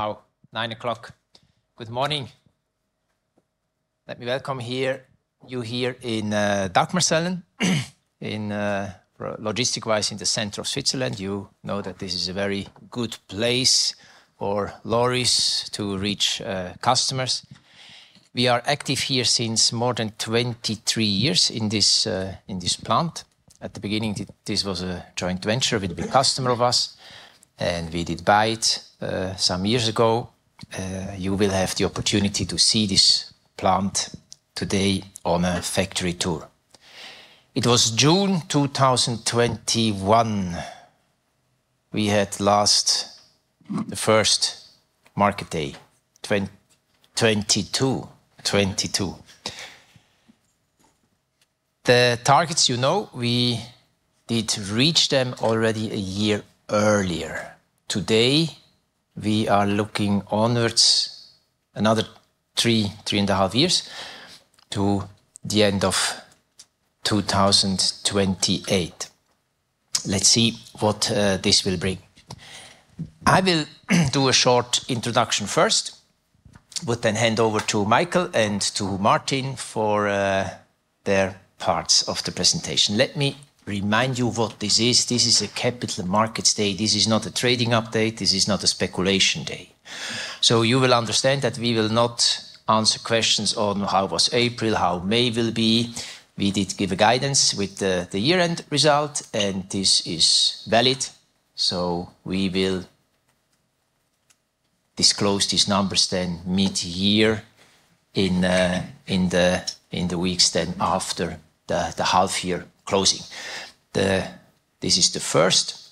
Now, 9:00 A.M. Good morning. Let me welcome you here in Dagmersellen, logistic-wise in the center of Switzerland. You know that this is a very good place for lorries to reach customers. We are active here since more than 23 years in this plant. At the beginning, this was a joint venture with a big customer of ours, and we did buy it some years ago. You will have the opportunity to see this plant today on a factory tour. It was June 2021. We had last the first market day, 2022, 2022. The targets, you know, we did reach them already a year earlier. Today, we are looking onwards another three, three and a half years to the end of 2028. Let's see what this will bring. I will do a short introduction first, would then hand over to Michael and to Martin for their parts of the presentation. Let me remind you what this is. This is a capital markets day. This is not a trading update. This is not a speculation day. You will understand that we will not answer questions on how was April, how May will be. We did give a guidance with the year-end result, and this is valid. We will disclose these numbers then mid-year in the weeks then after the half-year closing. This is the first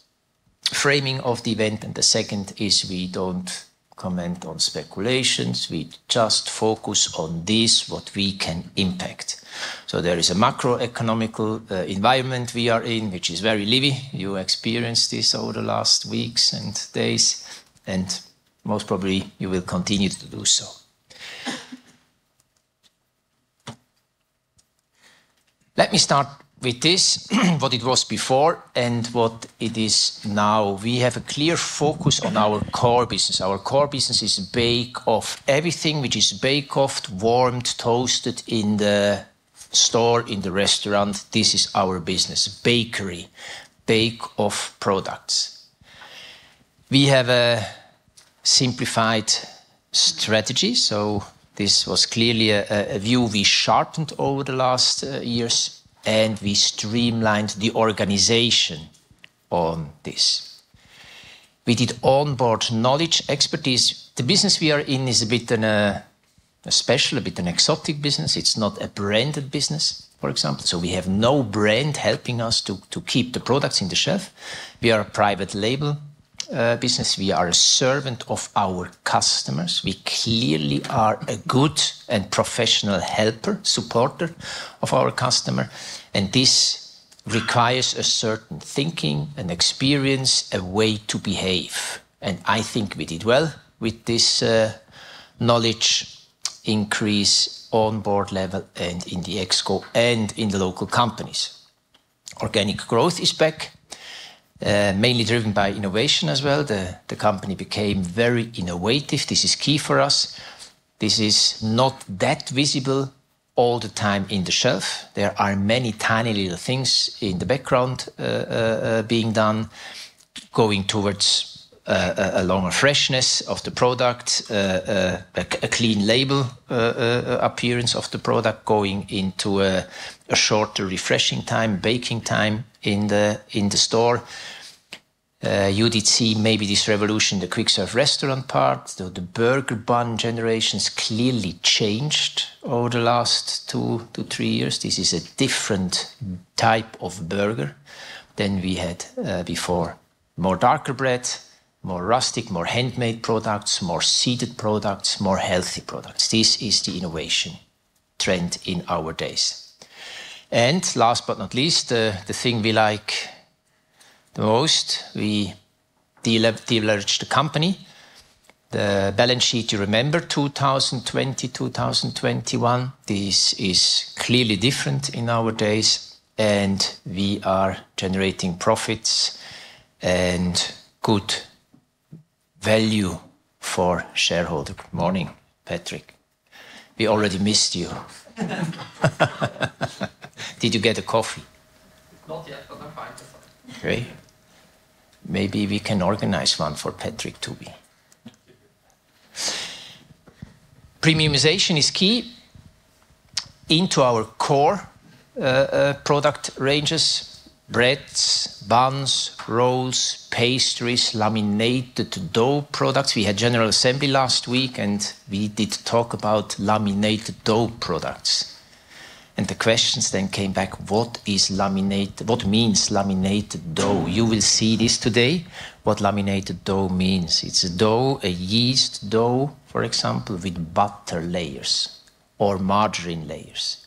framing of the event, and the second is we do not comment on speculations. We just focus on this, what we can impact. There is a macroeconomical environment we are in, which is very lively. You experienced this over the last weeks and days, and most probably you will continue to do so. Let me start with this, what it was before and what it is now. We have a clear focus on our core business. Our core business is bake-off. Everything which is bake-offed, warmed, toasted in the store, in the restaurant, this is our business, bakery, bake-off products. We have a simplified strategy. This was clearly a view we sharpened over the last years, and we streamlined the organization on this. We did onboard knowledge, expertise. The business we are in is a bit special, a bit an exotic business. It's not a branded business, for example. We have no brand helping us to keep the products in the shelf. We are a private label business. We are a servant of our customers. We clearly are a good and professional helper, supporter of our customer. This requires a certain thinking, an experience, a way to behave. I think we did well with this knowledge increase onboard level and in the exco and in the local companies. Organic growth is back, mainly driven by innovation as well. The company became very innovative. This is key for us. This is not that visible all the time in the shelf. There are many tiny little things in the background being done, going towards a longer freshness of the product, a clean label appearance of the product, going into a shorter refreshing time, baking time in the store. You did see maybe this revolution, the quick-serve restaurant part. The burger bun generations clearly changed over the last two, two, three years. This is a different type of burger than we had before. More darker bread, more rustic, more handmade products, more seeded products, more healthy products. This is the innovation trend in our days. Last but not least, the thing we like the most, we de-large the company. The balance sheet, you remember 2020, 2021. This is clearly different in our days, and we are generating profits and good value for shareholders. Good morning, Patrik. We already missed you. Did you get a coffee? Not yet, but I'm fine to talk. Great. Maybe we can organize one for Patrik to be. Premiumization is key into our core product ranges: breads, buns, rolls, pastries, laminated dough products. We had general assembly last week, and we did talk about laminated dough products. The questions then came back, what is laminated? What means laminated dough? You will see this today, what laminated dough means. It's a dough, a yeast dough, for example, with butter layers or margarine layers,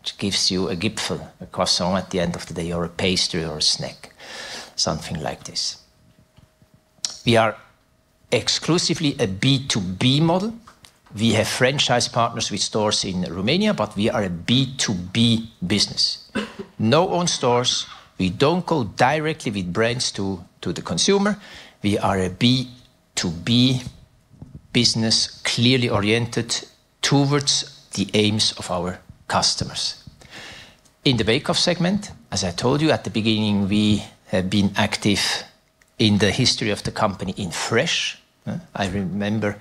which gives you a gipfel, a croissant at the end of the day, or a pastry or a snack, something like this. We are exclusively a B2B model. We have franchise partners with stores in Romania, but we are a B2B business. No own stores. We do not go directly with brands to the consumer. We are a B2B business, clearly oriented towards the aims of our customers. In the bake-off segment, as I told you at the beginning, we have been active in the history of the company in fresh. I remember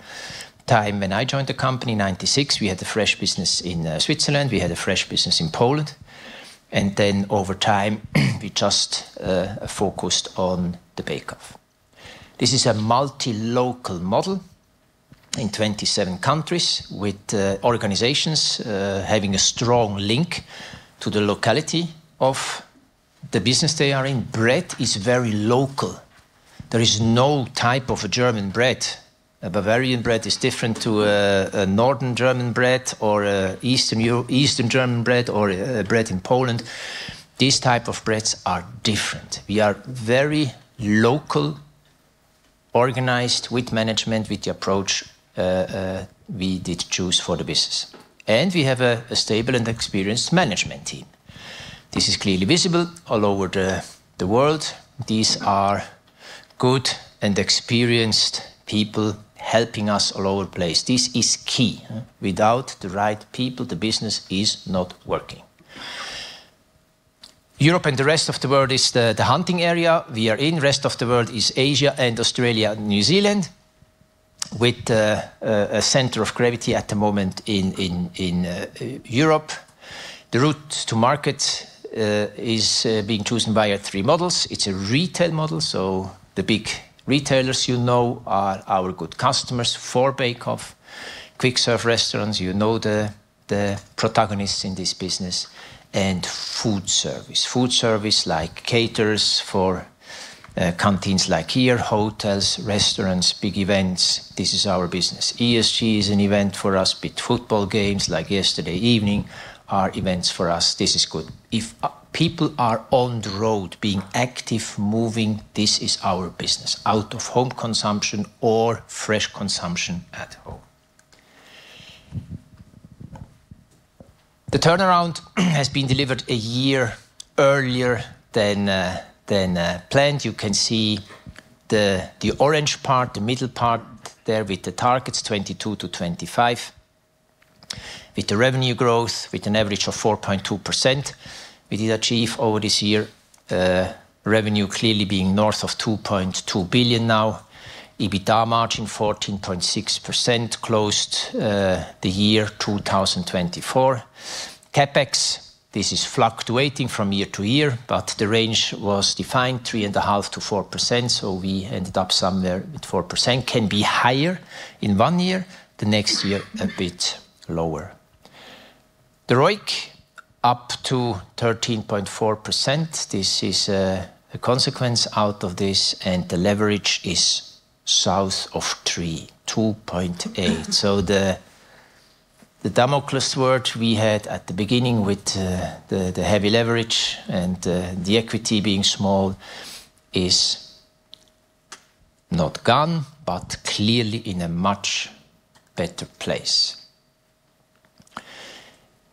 time when I joined the company, 1996, we had a fresh business in Switzerland. We had a fresh business in Poland. Over time, we just focused on the bake-off. This is a multi-local model in 27 countries, with organizations having a strong link to the locality of the business they are in. Bread is very local. There is no type of German bread. Bavarian bread is different from a northern German bread or an eastern German bread or a bread in Poland. These types of breads are different. We are very local, organized, with management, with the approach we did choose for the business. We have a stable and experienced management team. This is clearly visible all over the world. These are good and experienced people helping us all over the place. This is key. Without the right people, the business is not working. Europe and the rest of the world is the hunting area we are in. The rest of the world is Asia and Australia and New Zealand, with a center of gravity at the moment in Europe. The route to market is being chosen via three models. It's a retail model. You know, the big retailers are our good customers for bake-off, quick-serve restaurants. You know the protagonists in this business. And food service. Food service like caters for canteens like here, hotels, restaurants, big events. This is our business. ESG is an event for us. Big football games like yesterday evening are events for us. This is good. If people are on the road, being active, moving, this is our business. Out-of-home consumption or fresh consumption at home. The turnaround has been delivered a year earlier than planned. You can see the orange part, the middle part there with the targets, 2022 to 2025, with the revenue growth with an average of 4.2%. We did achieve over this year revenue clearly being north of 2.2 billion now. EBITDA margin 14.6% closed the year 2024. CapEx, this is fluctuating from year to year, but the range was defined, 3.5%-4%. So we ended up somewhere with 4%. Can be higher in one year, the next year a bit lower. The ROIC up to 13.4%. This is a consequence out of this, and the leverage is south of 2.8. So the Damocles word we had at the beginning with the heavy leverage and the equity being small is not gone, but clearly in a much better place.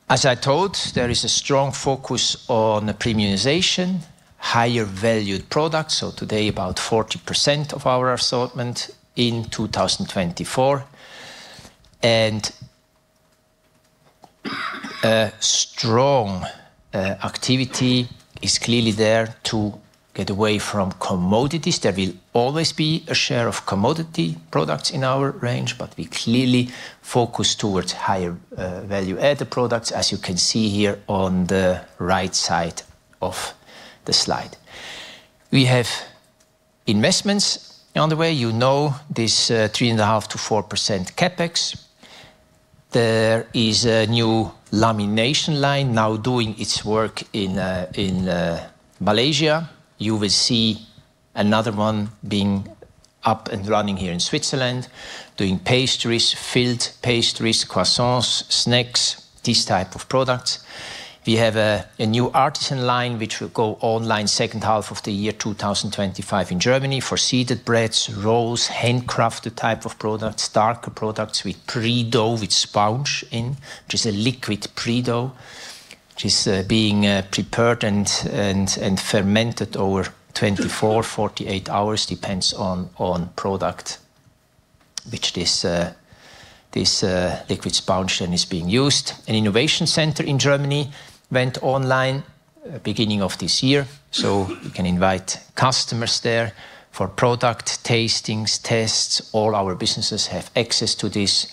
As I told, there is a strong focus on premiumization, higher valued products. Today, about 40% of our assortment in 2024. Strong activity is clearly there to get away from commodities. There will always be a share of commodity products in our range, but we clearly focus towards higher value-added products, as you can see here on the right side of the slide. We have investments on the way. You know this 3.5%-4% CapEx. There is a new lamination line now doing its work in Malaysia. You will see another one being up and running here in Switzerland, doing pastries, filled pastries, croissants, snacks, these types of products. We have a new artisan line which will go online second half of the year 2025 in Germany for seeded breads, rolls, handcrafted type of products, darker products with pre-dough with sponge in, which is a liquid pre-dough, which is being prepared and fermented over 24, 48 hours, depends on product which this liquid sponge then is being used. An innovation center in Germany went online beginning of this year. We can invite customers there for product tastings, tests. All our businesses have access to this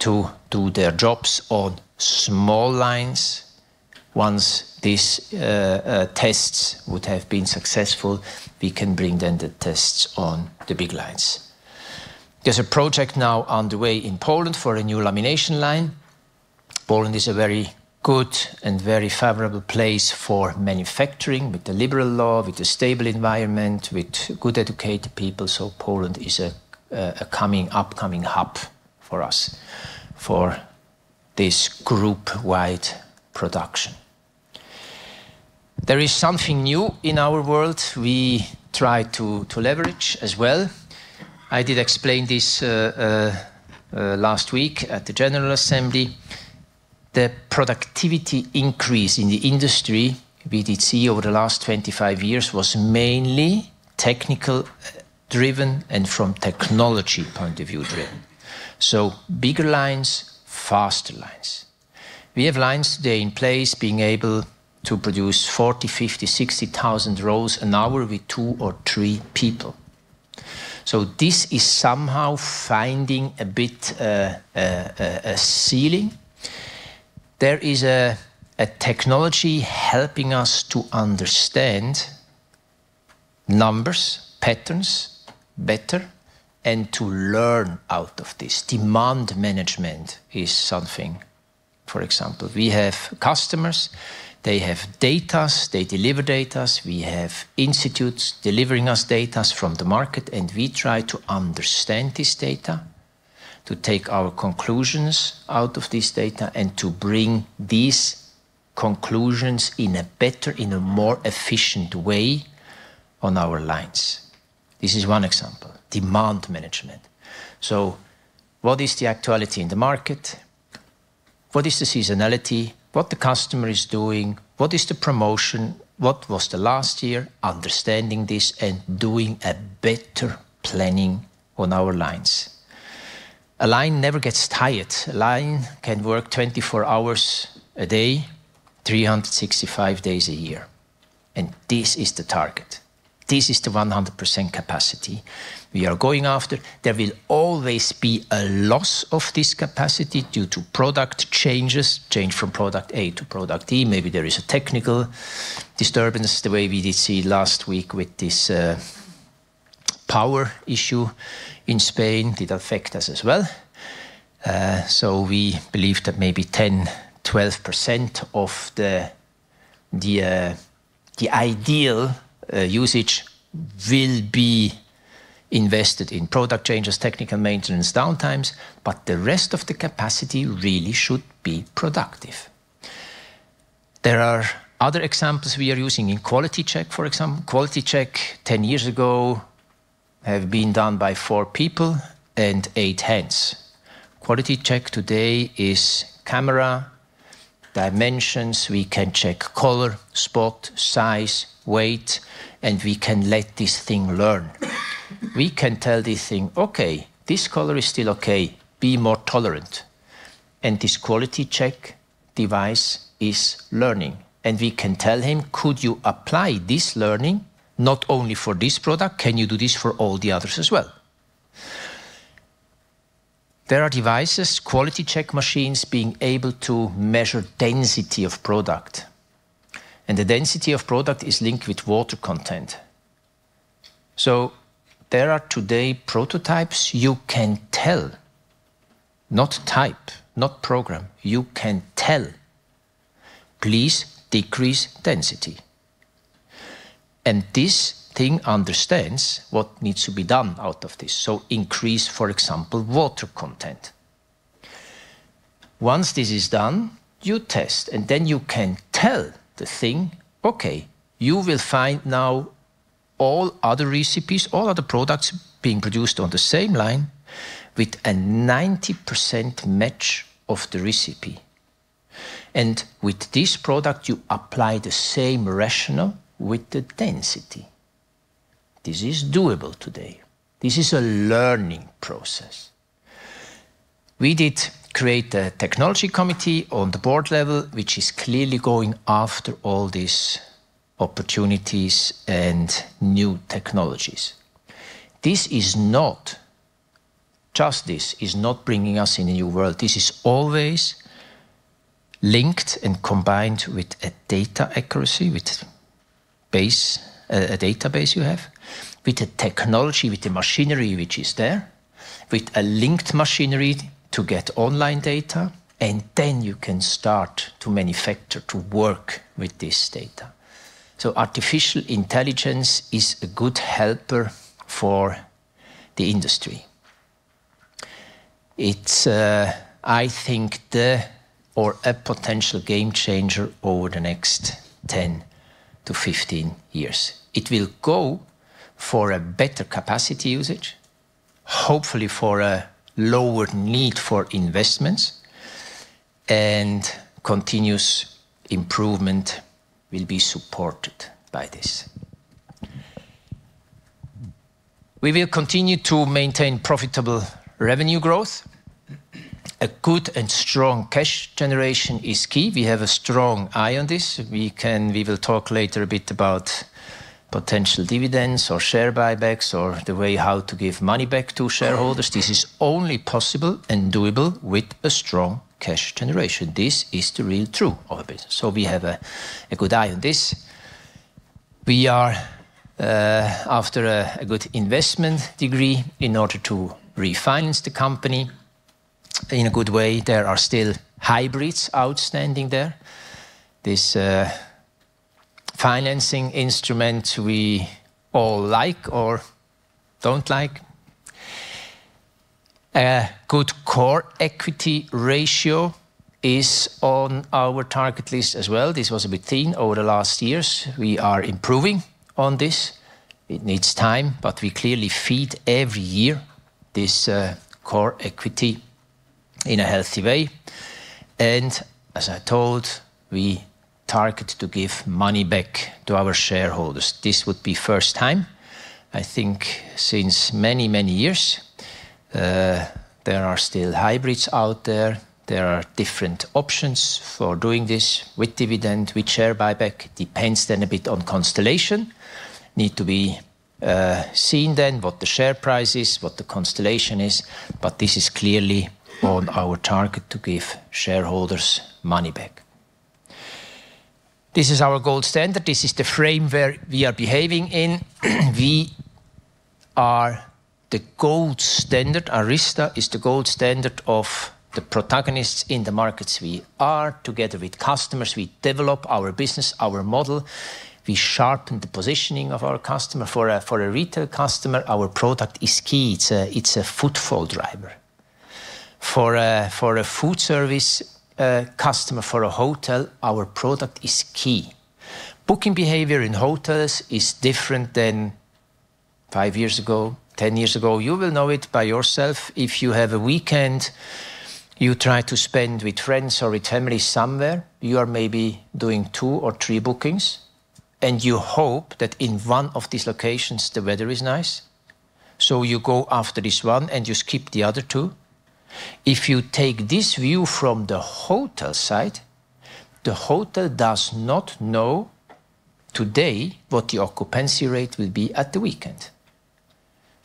to do their jobs on small lines. Once these tests would have been successful, we can bring then the tests on the big lines. There is a project now on the way in Poland for a new lamination line. Poland is a very good and very favorable place for manufacturing with the liberal law, with the stable environment, with good educated people. Poland is a coming upcoming hub for us for this group-wide production. There is something new in our world we try to leverage as well. I did explain this last week at the General Assembly. The productivity increase in the industry we did see over the last 25 years was mainly technical-driven and from technology point of view driven. Bigger lines, faster lines. We have lines today in place being able to produce 40,000, 50,000, 60,000 rolls an hour with two or three people. This is somehow finding a bit a ceiling. There is a technology helping us to understand numbers, patterns better, and to learn out of this. Demand management is something, for example. We have customers. They have data. They deliver data. We have institutes delivering us data from the market. We try to understand this data, to take our conclusions out of this data, and to bring these conclusions in a better, in a more efficient way on our lines. This is one example, demand management. What is the actuality in the market? What is the seasonality? What is the customer doing? What is the promotion? What was the last year? Understanding this and doing a better planning on our lines. A line never gets tired. A line can work 24 hours a day, 365 days a year. This is the target. This is the 100% capacity we are going after. There will always be a loss of this capacity due to product changes, change from product A to product E. Maybe there is a technical disturbance the way we did see last week with this power issue in Spain that affected us as well. We believe that maybe 10%-12% of the ideal usage will be invested in product changes, technical maintenance, downtimes, but the rest of the capacity really should be productive. There are other examples we are using in quality check, for example. Quality check 10 years ago has been done by four people and eight hands. Quality check today is camera dimensions. We can check color, spot, size, weight, and we can let this thing learn. We can tell this thing, "Okay, this color is still okay. Be more tolerant." This quality check device is learning. We can tell him, "Could you apply this learning not only for this product? Can you do this for all the others as well?" There are devices, quality check machines being able to measure density of product. The density of product is linked with water content. There are today prototypes you can tell, not type, not program. You can tell, "Please decrease density." And this thing understands what needs to be done out of this. Increase, for example, water content. Once this is done, you test, and then you can tell the thing, "Okay, you will find now all other recipes, all other products being produced on the same line with a 90% match of the recipe. And with this product, you apply the same rationale with the density." This is doable today. This is a learning process. We did create a technology committee on the board level, which is clearly going after all these opportunities and new technologies. This is not just, this is not bringing us in a new world. This is always linked and combined with data accuracy, with a database you have, with the technology, with the machinery which is there, with a linked machinery to get online data, and then you can start to manufacture, to work with this data. Artificial intelligence is a good helper for the industry. It's, I think, the or a potential game changer over the next 10-15 years. It will go for a better capacity usage, hopefully for a lower need for investments, and continuous improvement will be supported by this. We will continue to maintain profitable revenue growth. A good and strong cash generation is key. We have a strong eye on this. We will talk later a bit about potential dividends or share buybacks or the way how to give money back to shareholders. This is only possible and doable with a strong cash generation. This is the real truth of a business. We have a good eye on this. We are, after a good investment degree in order to refinance the company in a good way, there are still hybrids outstanding there. This financing instrument we all like or do not like. A good core equity ratio is on our target list as well. This was a bit thin over the last years. We are improving on this. It needs time, but we clearly feed every year this core equity in a healthy way. As I told, we target to give money back to our shareholders. This would be first time, I think, since many, many years. There are still hybrids out there. There are different options for doing this with dividend, with share buyback. Depends then a bit on constellation. Need to be seen then what the share price is, what the constellation is, but this is clearly on our target to give shareholders money back. This is our gold standard. This is the frame where we are behaving in. We are the gold standard. Aryza is the gold standard of the protagonists in the markets. We are together with customers. We develop our business, our model. We sharpen the positioning of our customer. For a retail customer, our product is key. It is a footfall driver. For a food service customer, for a hotel, our product is key. Booking behavior in hotels is different than five years ago, 10 years ago. You will know it by yourself. If you have a weekend, you try to spend with friends or with family somewhere, you are maybe doing two or three bookings, and you hope that in one of these locations, the weather is nice. You go after this one and you skip the other two. If you take this view from the hotel side, the hotel does not know today what the occupancy rate will be at the weekend.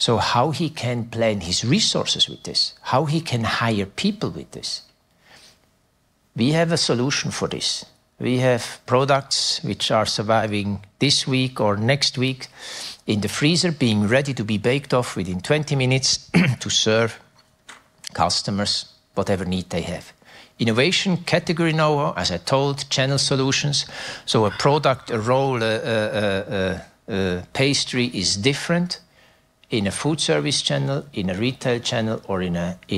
How can he plan his resources with this, how can he hire people with this. We have a solution for this. We have products which are surviving this week or next week in the freezer, being ready to be baked off within 20 minutes to serve customers, whatever need they have. Innovation category now, as I told, channel solutions. A product, a roll, a pastry is different in a food service channel, in a retail channel, or in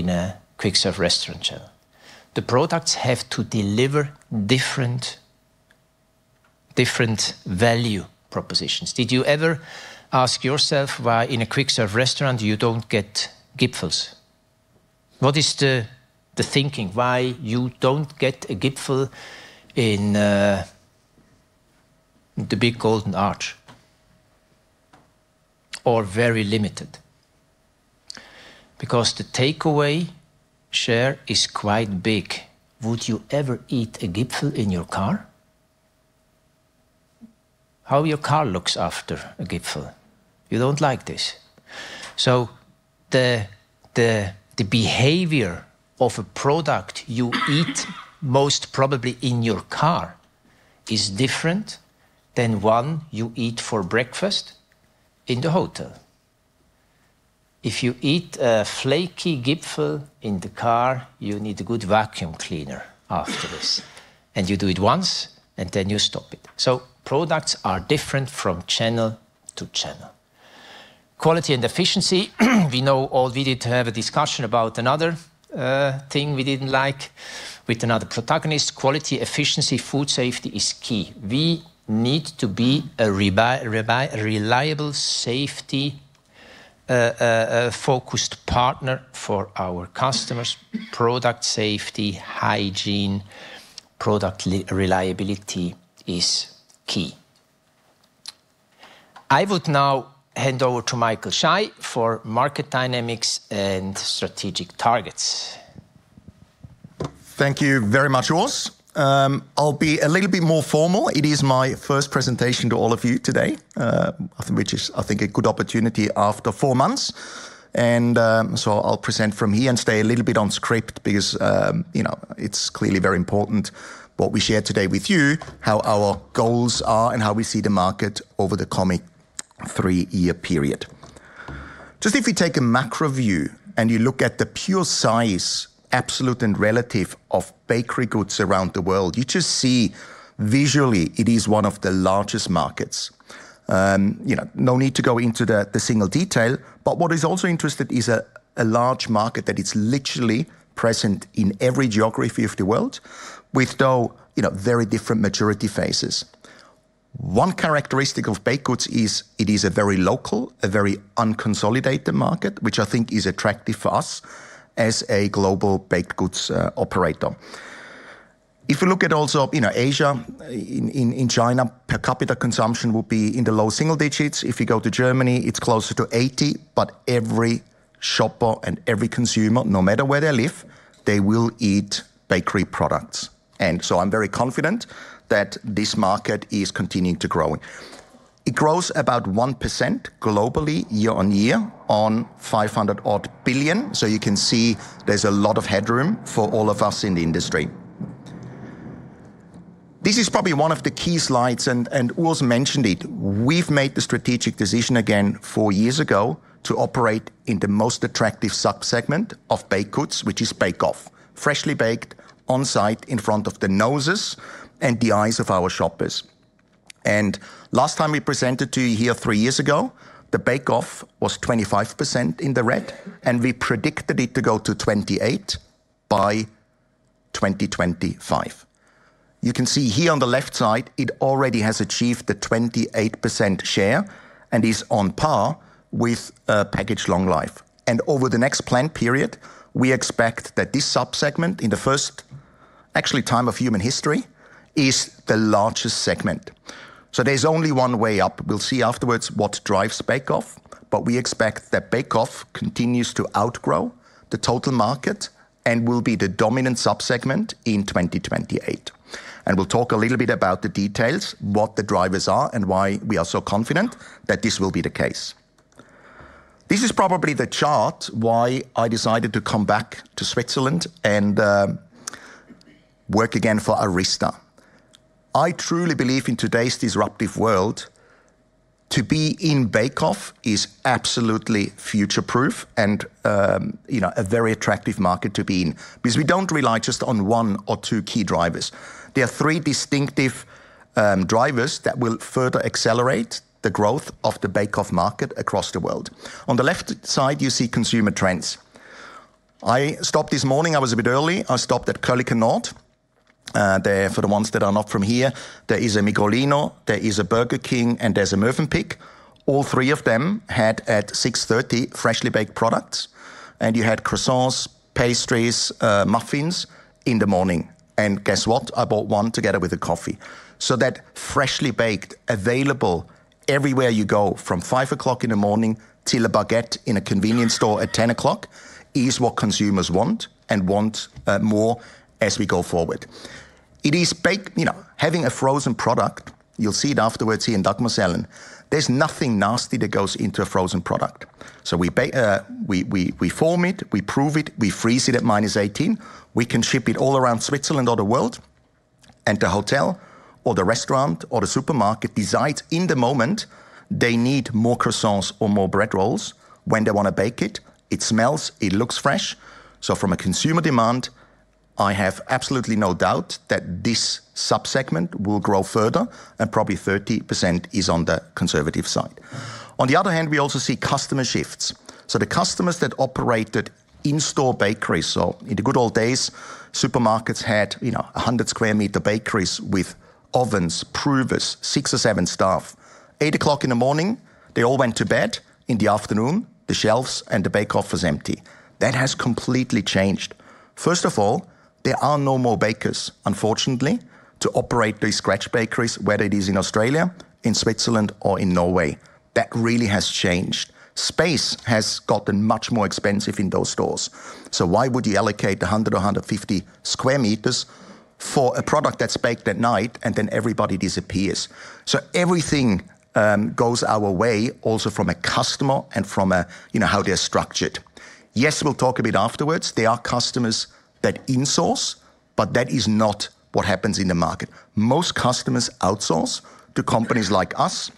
a quick-serve restaurant channel. The products have to deliver different value propositions. Did you ever ask yourself why in a quick-serve restaurant you do not get Gipfels? What is the thinking why you do not get a Gipfel in the big golden arch or very limited? Because the takeaway share is quite big. Would you ever eat a Gipfel in your car? How your car looks after a Gipfel? You do not like this. The behavior of a product you eat most probably in your car is different than one you eat for breakfast in the hotel. If you eat a flaky Gipfel in the car, you need a good vacuum cleaner after this. You do it once and then you stop it. Products are different from channel to channel. Quality and efficiency. We know all we did have a discussion about another thing we did not like with another protagonist. Quality, efficiency, food safety is key. We need to be a reliable safety-focused partner for our customers. Product safety, hygiene, product reliability is key. I would now hand over to Michael Schai for market dynamics and strategic targets. Thank you very much, Urs. I will be a little bit more formal. It is my first presentation to all of you today, which is, I think, a good opportunity after four months. And so I will present from here and stay a little bit on script because it is clearly very important what we share today with you, how our goals are and how we see the market over the coming three-year period. Just if we take a macro view and you look at the pure size, absolute and relative, of bakery goods around the world, you just see visually it is one of the largest markets. No need to go into the single detail, but what is also interesting is a large market that is literally present in every geography of the world with very different maturity phases. One characteristic of baked goods is it is a very local, a very unconsolidated market, which I think is attractive for us as a global baked goods operator. If we look at also Asia in China, per capita consumption would be in the low single digits. If you go to Germany, it is closer to 80, but every shopper and every consumer, no matter where they live, they will eat bakery products. I am very confident that this market is continuing to grow. It grows about 1% globally year-on-year on 500-odd billion. You can see there is a lot of headroom for all of us in the industry. This is probably one of the key slides, and Urs mentioned it. We have made the strategic decision again four years ago to operate in the most attractive subsegment of baked goods, which is bake-off, freshly baked on site in front of the noses and the eyes of our shoppers. Last time we presented to you here three years ago, the bake-off was 25% in the red, and we predicted it to go to 28% by 2025. You can see here on the left side, it already has achieved the 28% share and is on par with a package long life. Over the next planned period, we expect that this subsegment in the first, actually, time of human history is the largest segment. There is only one way up. We will see afterwards what drives bake-off, but we expect that bake-off continues to outgrow the total market and will be the dominant subsegment in 2028. We will talk a little bit about the details, what the drivers are, and why we are so confident that this will be the case. This is probably the chart why I decided to come back to Switzerland and work again for Aryza. I truly believe in today's disruptive world. To be in bake-off is absolutely future-proof and a very attractive market to be in because we do not rely just on one or two key drivers. There are three distinctive drivers that will further accelerate the growth of the bake-off market across the world. On the left side, you see consumer trends. I stopped this morning. I was a bit early. I stopped at Curly Canard. For the ones that are not from here, there is a Migrolino, there is a Burger King, and there is a Mövenpick. All three of them had at 6:30 A.M. freshly baked products, and you had croissants, pastries, muffins in the morning. Guess what? I bought one together with a coffee. That freshly baked, available everywhere you go from 5:00 A.M. till a baguette in a convenience store at 10:00 A.M. is what consumers want and want more as we go forward. It is having a frozen product. You will see it afterwards here in Dagmersellen. There is nothing nasty that goes into a frozen product. We form it, we prove it, we freeze it at minus 18 degrees Celsius. We can ship it all around Switzerland or the world, and the hotel or the restaurant or the supermarket decides in the moment they need more croissants or more bread rolls when they want to bake it. It smells, it looks fresh. From a consumer demand, I have absolutely no doubt that this subsegment will grow further, and probably 30% is on the conservative side. On the other hand, we also see customer shifts. The customers that operated in-store bakeries, in the good old days, supermarkets had 100 sq m bakeries with ovens, provers, six or seven staff. 8:00 in the morning, they all went to bed. In the afternoon, the shelves and the bake-off was empty. That has completely changed. First of all, there are no more bakers, unfortunately, to operate those scratch bakeries, whether it is in Australia, in Switzerland, or in Norway. That really has changed. Space has gotten much more expensive in those stores. Why would you allocate 100 or 150 sq m for a product that's baked at night and then everybody disappears? Everything goes our way also from a customer and from how they're structured. Yes, we'll talk a bit afterwards. There are customers that insource, but that is not what happens in the market. Most customers outsource to companies like us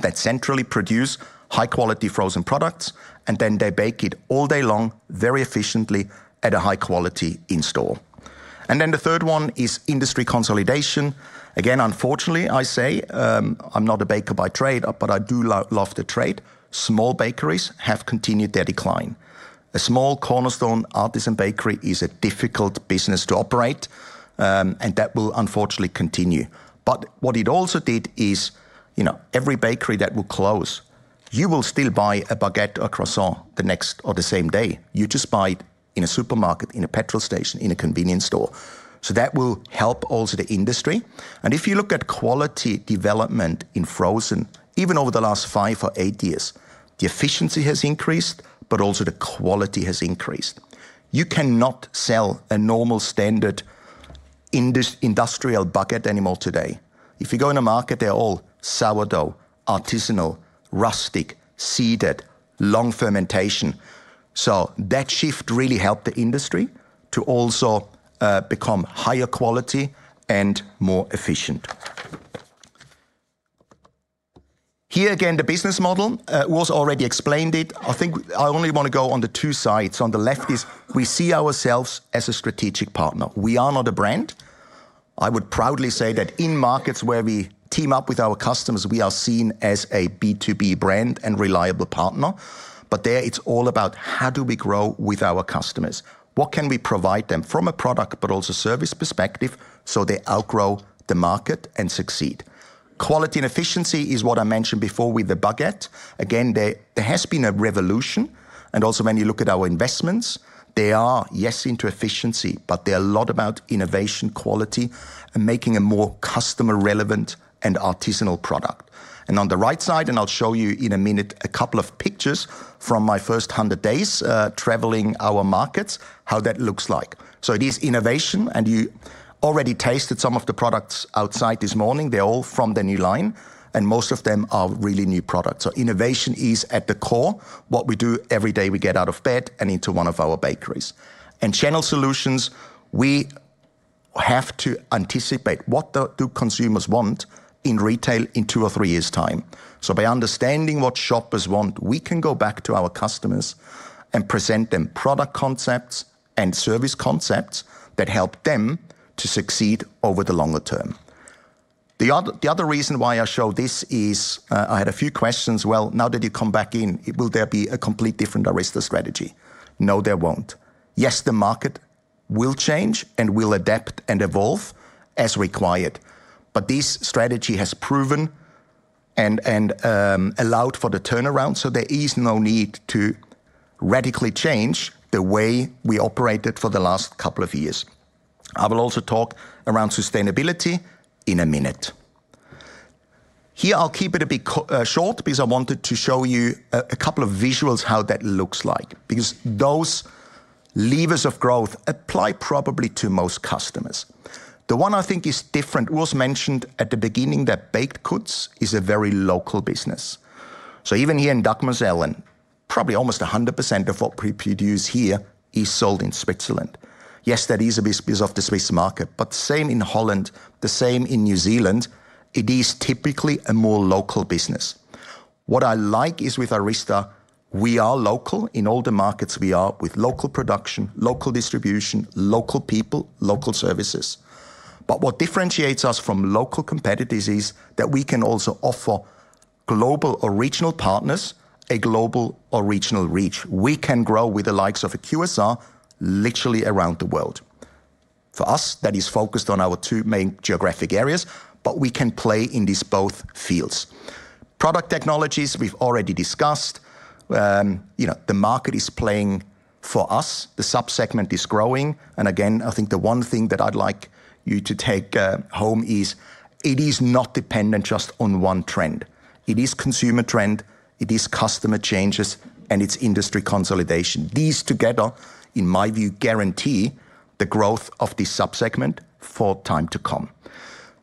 that centrally produce high-quality frozen products, and then they bake it all day long very efficiently at a high quality in-store. The third one is industry consolidation. Again, unfortunately, I say I'm not a baker by trade, but I do love the trade. Small bakeries have continued their decline. A small cornerstone artisan bakery is a difficult business to operate, and that will unfortunately continue. What it also did is every bakery that will close, you will still buy a baguette or croissant the next or the same day. You just buy it in a supermarket, in a petrol station, in a convenience store. That will help also the industry. If you look at quality development in frozen, even over the last five or eight years, the efficiency has increased, but also the quality has increased. You cannot sell a normal standard industrial baguette anymore today. If you go in a market, they are all sourdough, artisanal, rustic, seeded, long fermentation. That shift really helped the industry to also become higher quality and more efficient. Here again, the business model, Urs already explained it. I think I only want to go on the two sides. On the left is we see ourselves as a strategic partner. We are not a brand. I would proudly say that in markets where we team up with our customers, we are seen as a B2B brand and reliable partner. There it's all about how do we grow with our customers? What can we provide them from a product, but also service perspective so they outgrow the market and succeed? Quality and efficiency is what I mentioned before with the baguette. There has been a revolution. Also, when you look at our investments, they are yes into efficiency, but they're a lot about innovation, quality, and making a more customer-relevant and artisanal product. On the right side, I'll show you in a minute a couple of pictures from my first 100 days traveling our markets, how that looks like. It is innovation, and you already tasted some of the products outside this morning. They're all from the new line, and most of them are really new products. Innovation is at the core. What we do every day, we get out of bed and into one of our bakeries. Channel solutions, we have to anticipate what do consumers want in retail in two or three years' time. By understanding what shoppers want, we can go back to our customers and present them product concepts and service concepts that help them to succeed over the longer term. The other reason why I show this is I had a few questions. Now that you come back in, will there be a complete different Aryza strategy? No, there won't. Yes, the market will change and will adapt and evolve as required. This strategy has proven and allowed for the turnaround, so there is no need to radically change the way we operated for the last couple of years. I will also talk around sustainability in a minute. Here, I'll keep it a bit short because I wanted to show you a couple of visuals how that looks like because those levers of growth apply probably to most customers. The one I think is different, Urs mentioned at the beginning that baked goods is a very local business. Even here in Dagmersellen, probably almost 100% of what we produce here is sold in Switzerland. Yes, that is a bit of the Swiss market, but same in Holland, the same in New Zealand. It is typically a more local business. What I like is with Aryza, we are local in all the markets we are with local production, local distribution, local people, local services. What differentiates us from local competitors is that we can also offer global or regional partners a global or regional reach. We can grow with the likes of a QSR literally around the world. For us, that is focused on our two main geographic areas, but we can play in these both fields. Product technologies we have already discussed. The market is playing for us. The subsegment is growing. I think the one thing that I would like you to take home is it is not dependent just on one trend. It is consumer trend, it is customer changes, and it is industry consolidation. These together, in my view, guarantee the growth of this subsegment for time to come.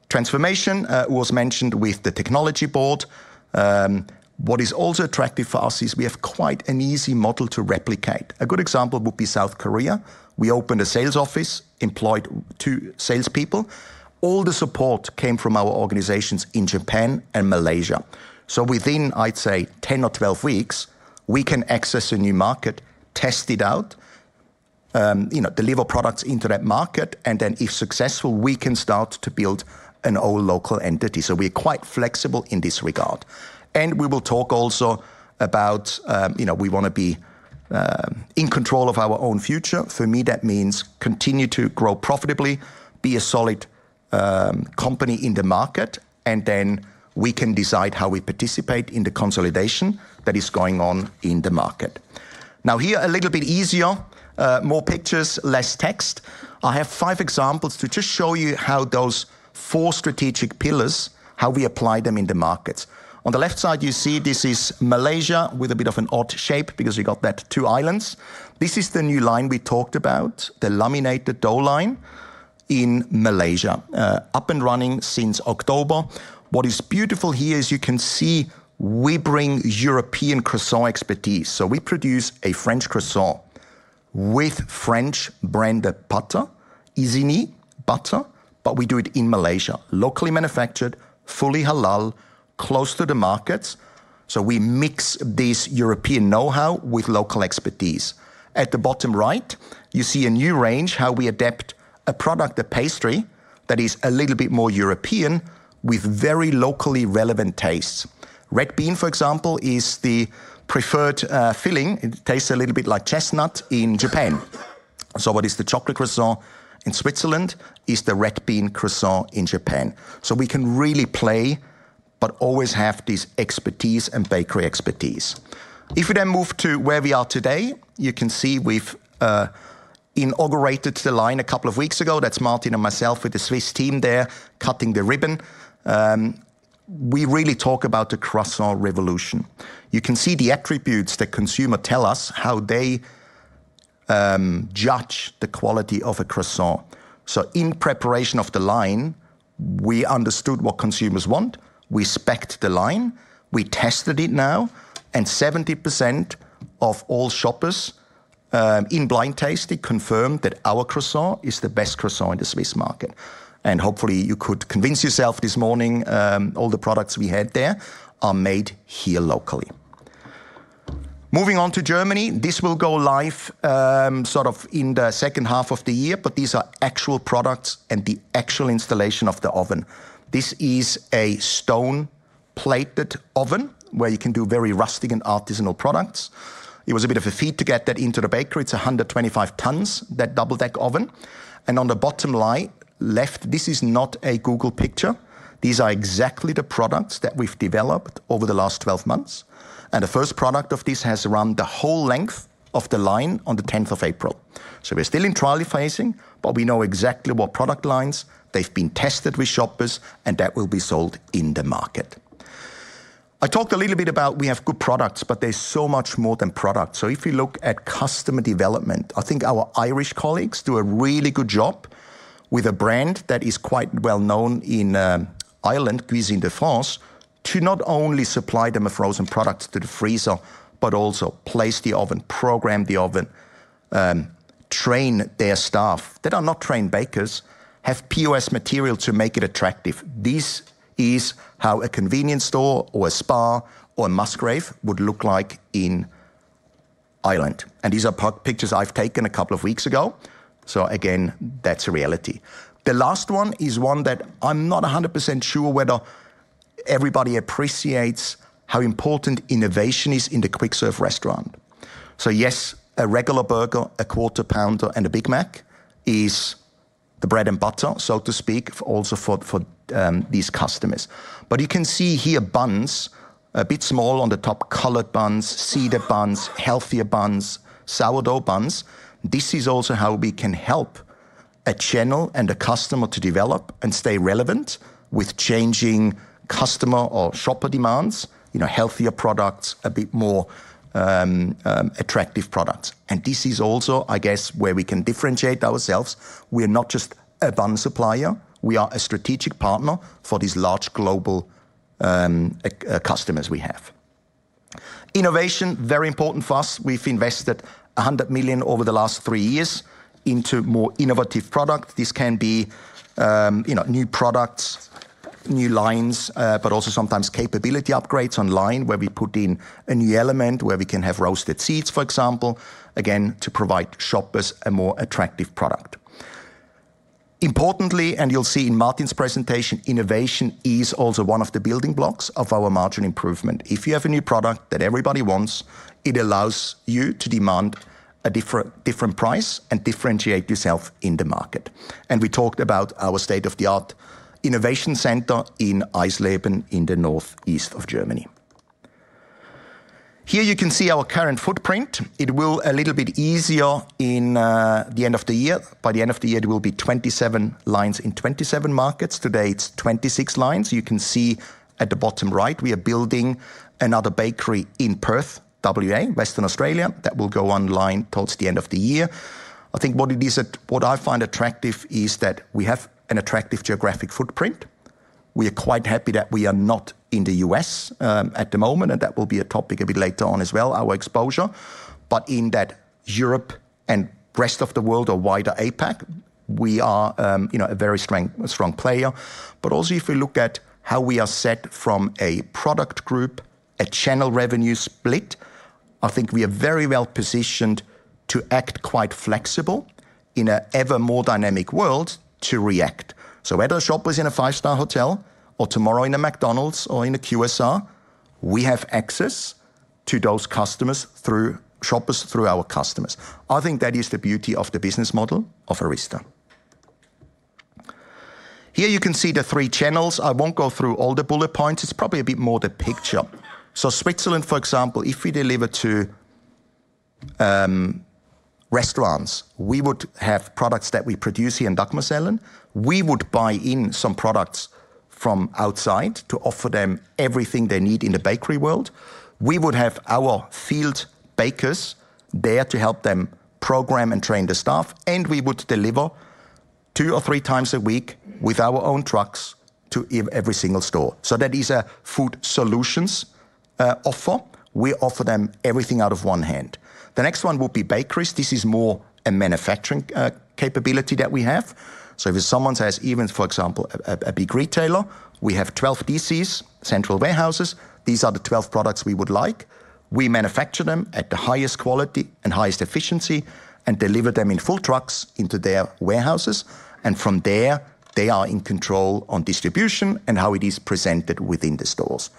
Transformation, Urs mentioned with the technology board. What is also attractive for us is we have quite an easy model to replicate. A good example would be South Korea. We opened a sales office, employed two salespeople. All the support came from our organizations in Japan and Malaysia. Within, I'd say, 10 or 12 weeks, we can access a new market, test it out, deliver products into that market, and then if successful, we can start to build an old local entity. We are quite flexible in this regard. We will talk also about we want to be in control of our own future. For me, that means continue to grow profitably, be a solid company in the market, and then we can decide how we participate in the consolidation that is going on in the market. Now here, a little bit easier, more pictures, less text. I have five examples to just show you how those four strategic pillars, how we apply them in the markets. On the left side, you see this is Malaysia with a bit of an odd shape because we got that two islands. This is the new line we talked about, the laminated dough line in Malaysia, up and running since October. What is beautiful here is you can see we bring European croissant expertise. We produce a French croissant with French branded butter, Isigny butter, but we do it in Malaysia, locally manufactured, fully halal, close to the markets. We mix this European know-how with local expertise. At the bottom right, you see a new range, how we adapt a product, a pastry that is a little bit more European with very locally relevant tastes. Red bean, for example, is the preferred filling. It tastes a little bit like chestnut in Japan. What is the chocolate croissant in Switzerland is the red bean croissant in Japan. We can really play, but always have this expertise and bakery expertise. If we then move to where we are today, you can see we have inaugurated the line a couple of weeks ago. That is Martin and myself with the Swiss team there cutting the ribbon. We really talk about the croissant revolution. You can see the attributes that consumers tell us, how they judge the quality of a croissant. In preparation of the line, we understood what consumers want. We specced the line, we tested it now, and 70% of all shoppers in blind tasting confirmed that our croissant is the best croissant in the Swiss market. Hopefully, you could convince yourself this morning all the products we had there are made here locally. Moving on to Germany, this will go live sort of in the second half of the year, but these are actual products and the actual installation of the oven. This is a stone-plated oven where you can do very rustic and artisanal products. It was a bit of a feat to get that into the bakery. It is 125 tons, that double deck oven. On the bottom right left, this is not a Google picture. These are exactly the products that we have developed over the last 12 months. The first product of this has run the whole length of the line on the 10th of April. We're still in trial phasing, but we know exactly what product lines they've been tested with shoppers, and that will be sold in the market. I talked a little bit about we have good products, but there's so much more than products. If you look at customer development, I think our Irish colleagues do a really good job with a brand that is quite well known in Ireland, Cuisine de France, to not only supply them a frozen product to the freezer, but also place the oven, program the oven, train their staff that are not trained bakers, have POS material to make it attractive. This is how a convenience store or a SPAR or a Musgrave would look like in Ireland. These are pictures I've taken a couple of weeks ago. Again, that's a reality. The last one is one that I'm not 100% sure whether everybody appreciates how important innovation is in the quick-serve restaurant. Yes, a regular burger, a quarter pounder, and a Big Mac is the bread and butter, so to speak, also for these customers. You can see here buns, a bit small on the top, colored buns, seeded buns, healthier buns, sourdough buns. This is also how we can help a channel and a customer to develop and stay relevant with changing customer or shopper demands, healthier products, a bit more attractive products. This is also, I guess, where we can differentiate ourselves. We are not just a bun supplier. We are a strategic partner for these large global customers we have. Innovation, very important for us. We've invested 100 million over the last three years into more innovative products. This can be new products, new lines, but also sometimes capability upgrades online where we put in a new element where we can have roasted seeds, for example, again, to provide shoppers a more attractive product. Importantly, and you will see in Martin's presentation, innovation is also one of the building blocks of our margin improvement. If you have a new product that everybody wants, it allows you to demand a different price and differentiate yourself in the market. We talked about our state-of-the-art innovation center in Eisleben in the northeast of Germany. Here you can see our current footprint. It will be a little bit easier in the end of the year. By the end of the year, it will be 27 lines in 27 markets. Today, it is 26 lines. You can see at the bottom right, we are building another bakery in Perth, WA, Western Australia, that will go online towards the end of the year. I think what it is that what I find attractive is that we have an attractive geographic footprint. We are quite happy that we are not in the U.S. at the moment, and that will be a topic a bit later on as well, our exposure. In that Europe and rest of the world or wider APAC, we are a very strong player. Also, if we look at how we are set from a product group, a channel revenue split, I think we are very well positioned to act quite flexible in an ever more dynamic world to react. Whether a shopper is in a five-star hotel or tomorrow in a McDonald's or in a QSR, we have access to those customers through shoppers, through our customers. I think that is the beauty of the business model of Aryza. Here you can see the three channels. I will not go through all the bullet points. It is probably a bit more the picture. Switzerland, for example, if we deliver to restaurants, we would have products that we produce here in Dagmersellen. We would buy in some products from outside to offer them everything they need in the bakery world. We would have our field bakers there to help them program and train the staff, and we would deliver two or three times a week with our own trucks to every single store. That is a food solutions offer. We offer them everything out of one hand. The next one would be bakeries. This is more a manufacturing capability that we have. If someone says, even for example, a big retailer, we have 12 DCs, central warehouses. These are the 12 products we would like. We manufacture them at the highest quality and highest efficiency and deliver them in full trucks into their warehouses. From there, they are in control on distribution and how it is presented within the stores.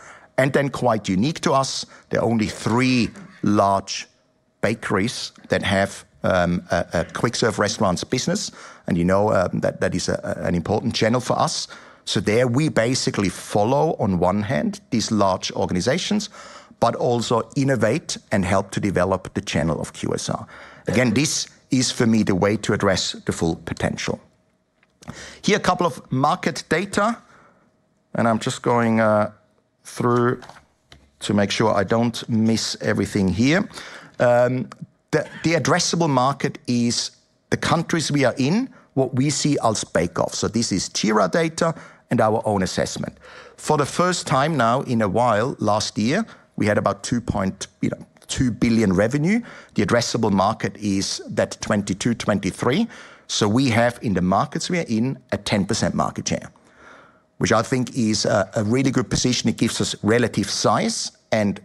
Quite unique to us, there are only three large bakeries that have a quick-serve restaurants business, and you know that is an important channel for us. There we basically follow on one hand these large organizations, but also innovate and help to develop the channel of QSR. Again, this is for me the way to address the full potential. Here are a couple of market data, and I'm just going through to make sure I don't miss everything here. The addressable market is the countries we are in, what we see as bake-offs. This is TIRA data and our own assessment. For the first time now in a while, last year, we had about 2.2 billion revenue. The addressable market is at 22 billion-23 billion. We have in the markets we are in a 10% market share, which I think is a really good position. It gives us relative size and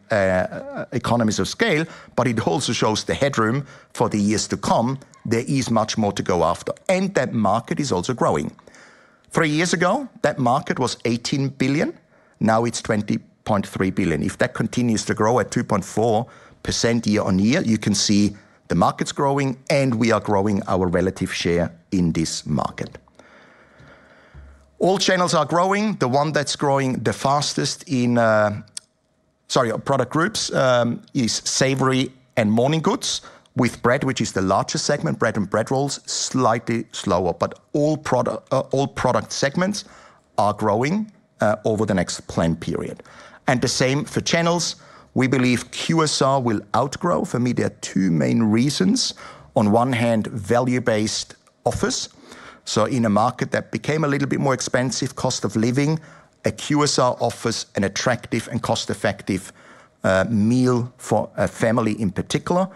economies of scale, but it also shows the headroom for the years to come. There is much more to go after, and that market is also growing. Three years ago, that market was 18 billion. Now it's 20.3 billion. If that continues to grow at 2.4% year-on-year, you can see the market's growing and we are growing our relative share in this market. All channels are growing. The one that's growing the fastest in, sorry, product groups is savory and morning goods with bread, which is the largest segment, bread and bread rolls, slightly slower, but all product segments are growing over the next planned period. The same for channels. We believe QSR will outgrow. For me, there are two main reasons. On one hand, value-based offers. In a market that became a little bit more expensive, cost of living, a QSR offers an attractive and cost-effective meal for a family in particular.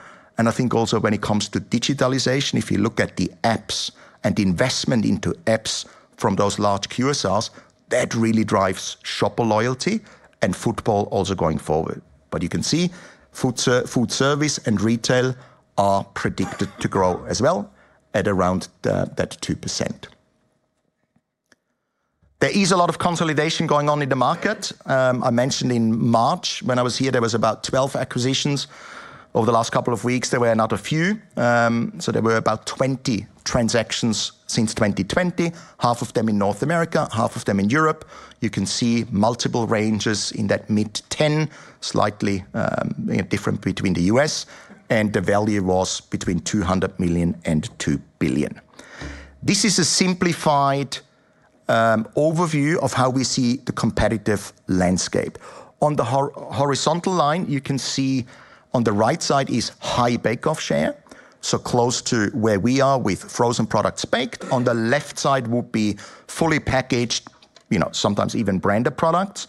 I think also when it comes to digitalization, if you look at the apps and investment into apps from those large QSRs, that really drives shopper loyalty and footfall also going forward. You can see food service and retail are predicted to grow as well at around that 2%. There is a lot of consolidation going on in the market. I mentioned in March when I was here, there was about 12 acquisitions over the last couple of weeks. There were not a few. There were about 20 transactions since 2020, half of them in North America, half of them in Europe. You can see multiple ranges in that mid 10, slightly different between the US and the value was between 200 million and 2 billion. This is a simplified overview of how we see the competitive landscape. On the horizontal line, you can see on the right side is high bake-off share, so close to where we are with frozen products baked. On the left side would be fully packaged, sometimes even branded products.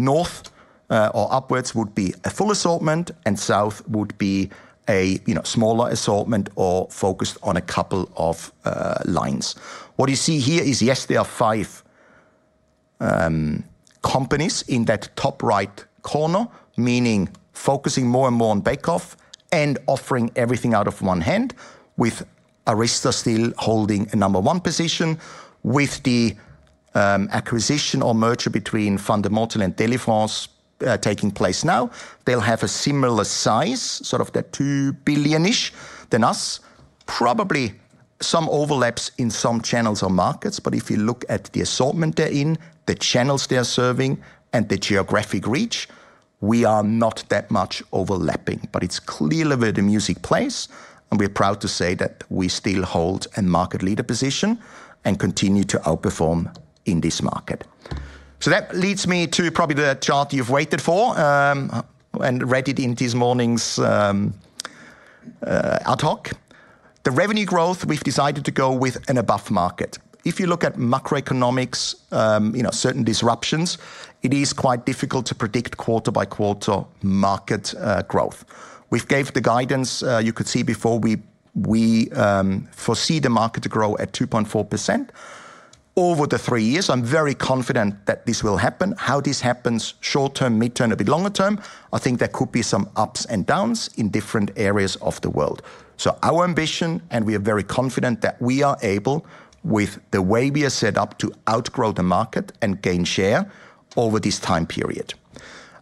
North or upwards would be a full assortment, and south would be a smaller assortment or focused on a couple of lines. What you see here is, yes, there are five companies in that top right corner, meaning focusing more and more on bake-off and offering everything out of one hand, with Aryza still holding a number one position with the acquisition or merger between Fundamental and Delifrance taking place now. They'll have a similar size, sort of that 2 billion-ish than us, probably some overlaps in some channels or markets. If you look at the assortment they're in, the channels they're serving, and the geographic reach, we are not that much overlapping, but it's clear where the music plays. We are proud to say that we still hold a market leader position and continue to outperform in this market. That leads me to probably the chart you've waited for and read it in this morning's ad hoc. The revenue growth, we've decided to go with an above market. If you look at macroeconomics, certain disruptions, it is quite difficult to predict quarter-by-quarter market growth. We gave the guidance you could see before. We foresee the market to grow at 2.4% over the three years. I'm very confident that this will happen. How this happens, short term, mid term, a bit longer term, I think there could be some ups and downs in different areas of the world. Our ambition, and we are very confident that we are able, with the way we are set up, to outgrow the market and gain share over this time period.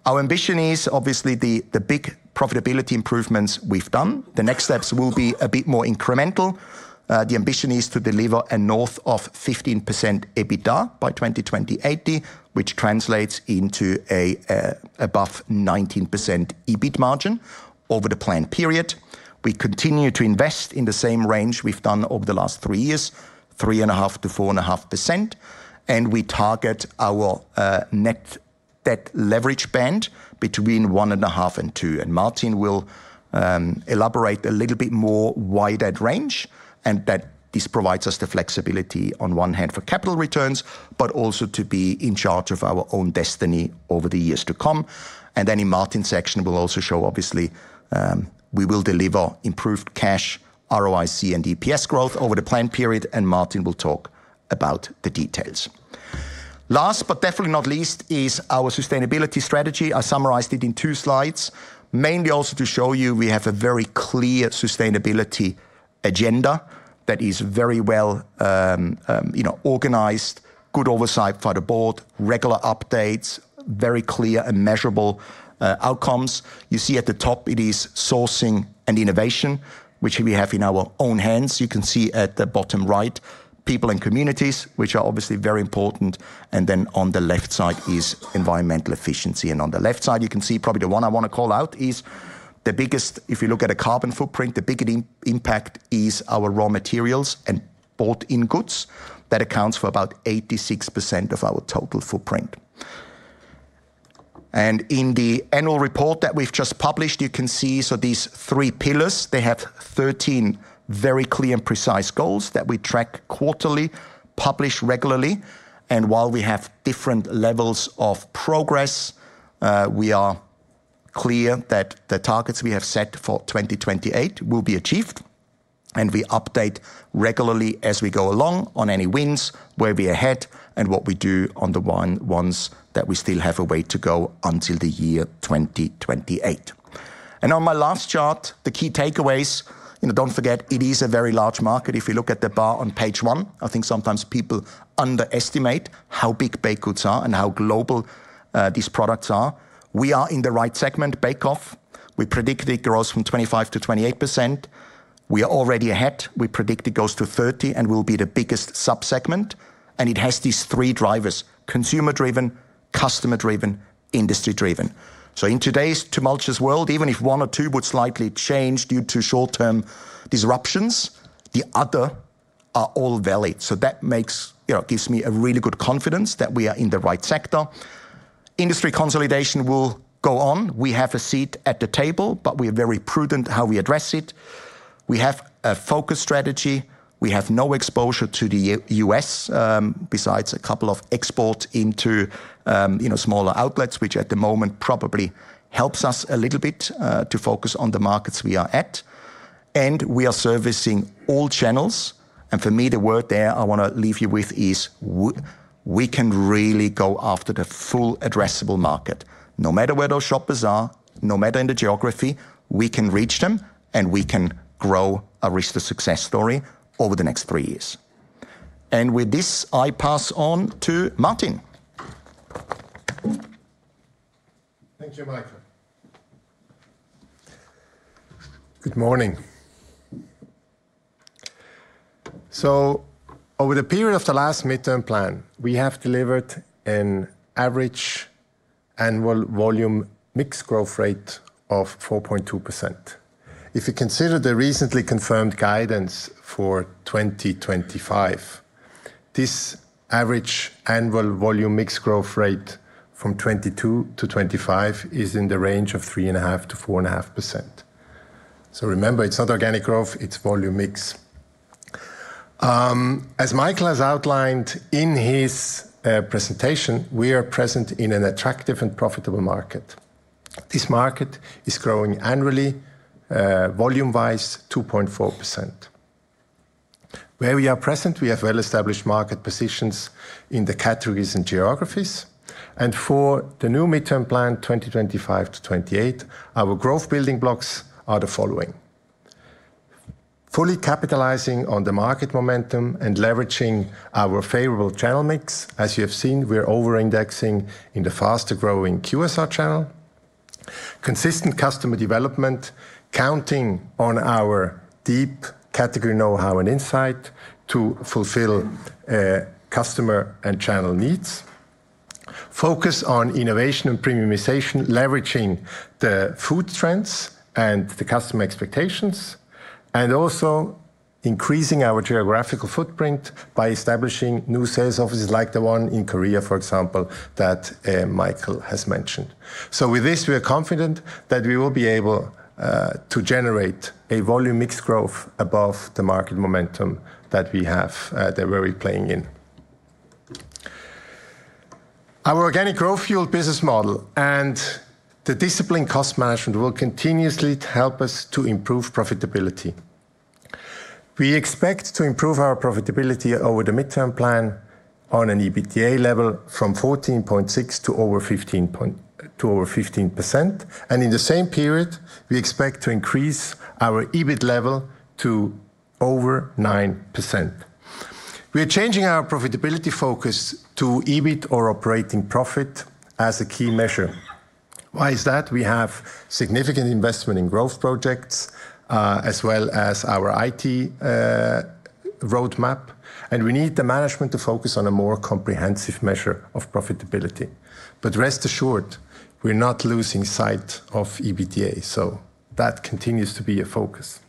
Our ambition is obviously the big profitability improvements we have done. The next steps will be a bit more incremental. The ambition is to deliver a north of 15% EBITDA by 2020, which translates into an above 19% EBIT margin over the planned period. We continue to invest in the same range we have done over the last three years, 3.5%-4.5%. We target our net debt leverage band between 1.5-2. Martin will elaborate a little bit more on why that range. That provides us the flexibility on one hand for capital returns, but also to be in charge of our own destiny over the years to come. In Martin's section, we will also show, obviously, we will deliver improved cash, ROIC, and EPS growth over the planned period. Martin will talk about the details. Last, but definitely not least, is our sustainability strategy. I summarized it in two slides, mainly also to show you we have a very clear sustainability agenda that is very well organized, good oversight for the board, regular updates, very clear and measurable outcomes. You see at the top, it is sourcing and innovation, which we have in our own hands. You can see at the bottom right, people and communities, which are obviously very important. On the left side is environmental efficiency. On the left side, you can see probably the one I want to call out is the biggest. If you look at a carbon footprint, the biggest impact is our raw materials and bought-in goods. That accounts for about 86% of our total footprint. In the annual report that we've just published, you can see these three pillars. They have 13 very clear and precise goals that we track quarterly, publish regularly. While we have different levels of progress, we are clear that the targets we have set for 2028 will be achieved. We update regularly as we go along on any wins, where we are ahead, and what we do on the ones that we still have a way to go until the year 2028. On my last chart, the key takeaways, do not forget, it is a very large market. If you look at the bar on page one, I think sometimes people underestimate how big baked goods are and how global these products are. We are in the right segment, bake-off. We predict it grows from 25% to 28%. We are already ahead. We predict it goes to 30% and will be the biggest subsegment. It has these three drivers: consumer-driven, customer-driven, industry-driven. In today's tumultuous world, even if one or two would slightly change due to short-term disruptions, the others are all valid. That gives me a really good confidence that we are in the right sector. Industry consolidation will go on. We have a seat at the table, but we are very prudent how we address it. We have a focus strategy. We have no exposure to the U.S. besides a couple of exports into smaller outlets, which at the moment probably helps us a little bit to focus on the markets we are at. We are servicing all channels. For me, the word there I want to leave you with is we can really go after the full addressable market. No matter where those shoppers are, no matter in the geography, we can reach them and we can grow Aryza's success story over the next three years. With this, I pass on to Martin. Thank you, Michael. Good morning. Over the period of the last midterm plan, we have delivered an average annual volume mix growth rate of 4.2%. If you consider the recently confirmed guidance for 2025, this average annual volume mix growth rate from 2022 to 2025 is in the range of 3.5%-4.5%. Remember, it's not organic growth, it's volume mix. As Michael has outlined in his presentation, we are present in an attractive and profitable market. This market is growing annually, volume-wise, 2.4%. Where we are present, we have well-established market positions in the categories and geographies. For the new midterm plan, 2025 to 2028, our growth building blocks are the following: fully capitalizing on the market momentum and leveraging our favorable channel mix. As you have seen, we're over-indexing in the faster growing QSR channel. Consistent customer development, counting on our deep category know-how and insight to fulfill customer and channel needs. Focus on innovation and premiumization, leveraging the food trends and the customer expectations, and also increasing our geographical footprint by establishing new sales offices like the one in Korea, for example, that Michael has mentioned. With this, we are confident that we will be able to generate a volume mixed growth above the market momentum that we have that we're playing in. Our organic growth fueled business model and the disciplined cost management will continuously help us to improve profitability. We expect to improve our profitability over the midterm plan on an EBITDA level from 14.6% to over 15%. In the same period, we expect to increase our EBIT level to over 9%. We are changing our profitability focus to EBIT or operating profit as a key measure. Why is that? We have significant investment in growth projects as well as our IT roadmap. We need the management to focus on a more comprehensive measure of profitability. Rest assured, we're not losing sight of EBITDA. That continues to be a focus.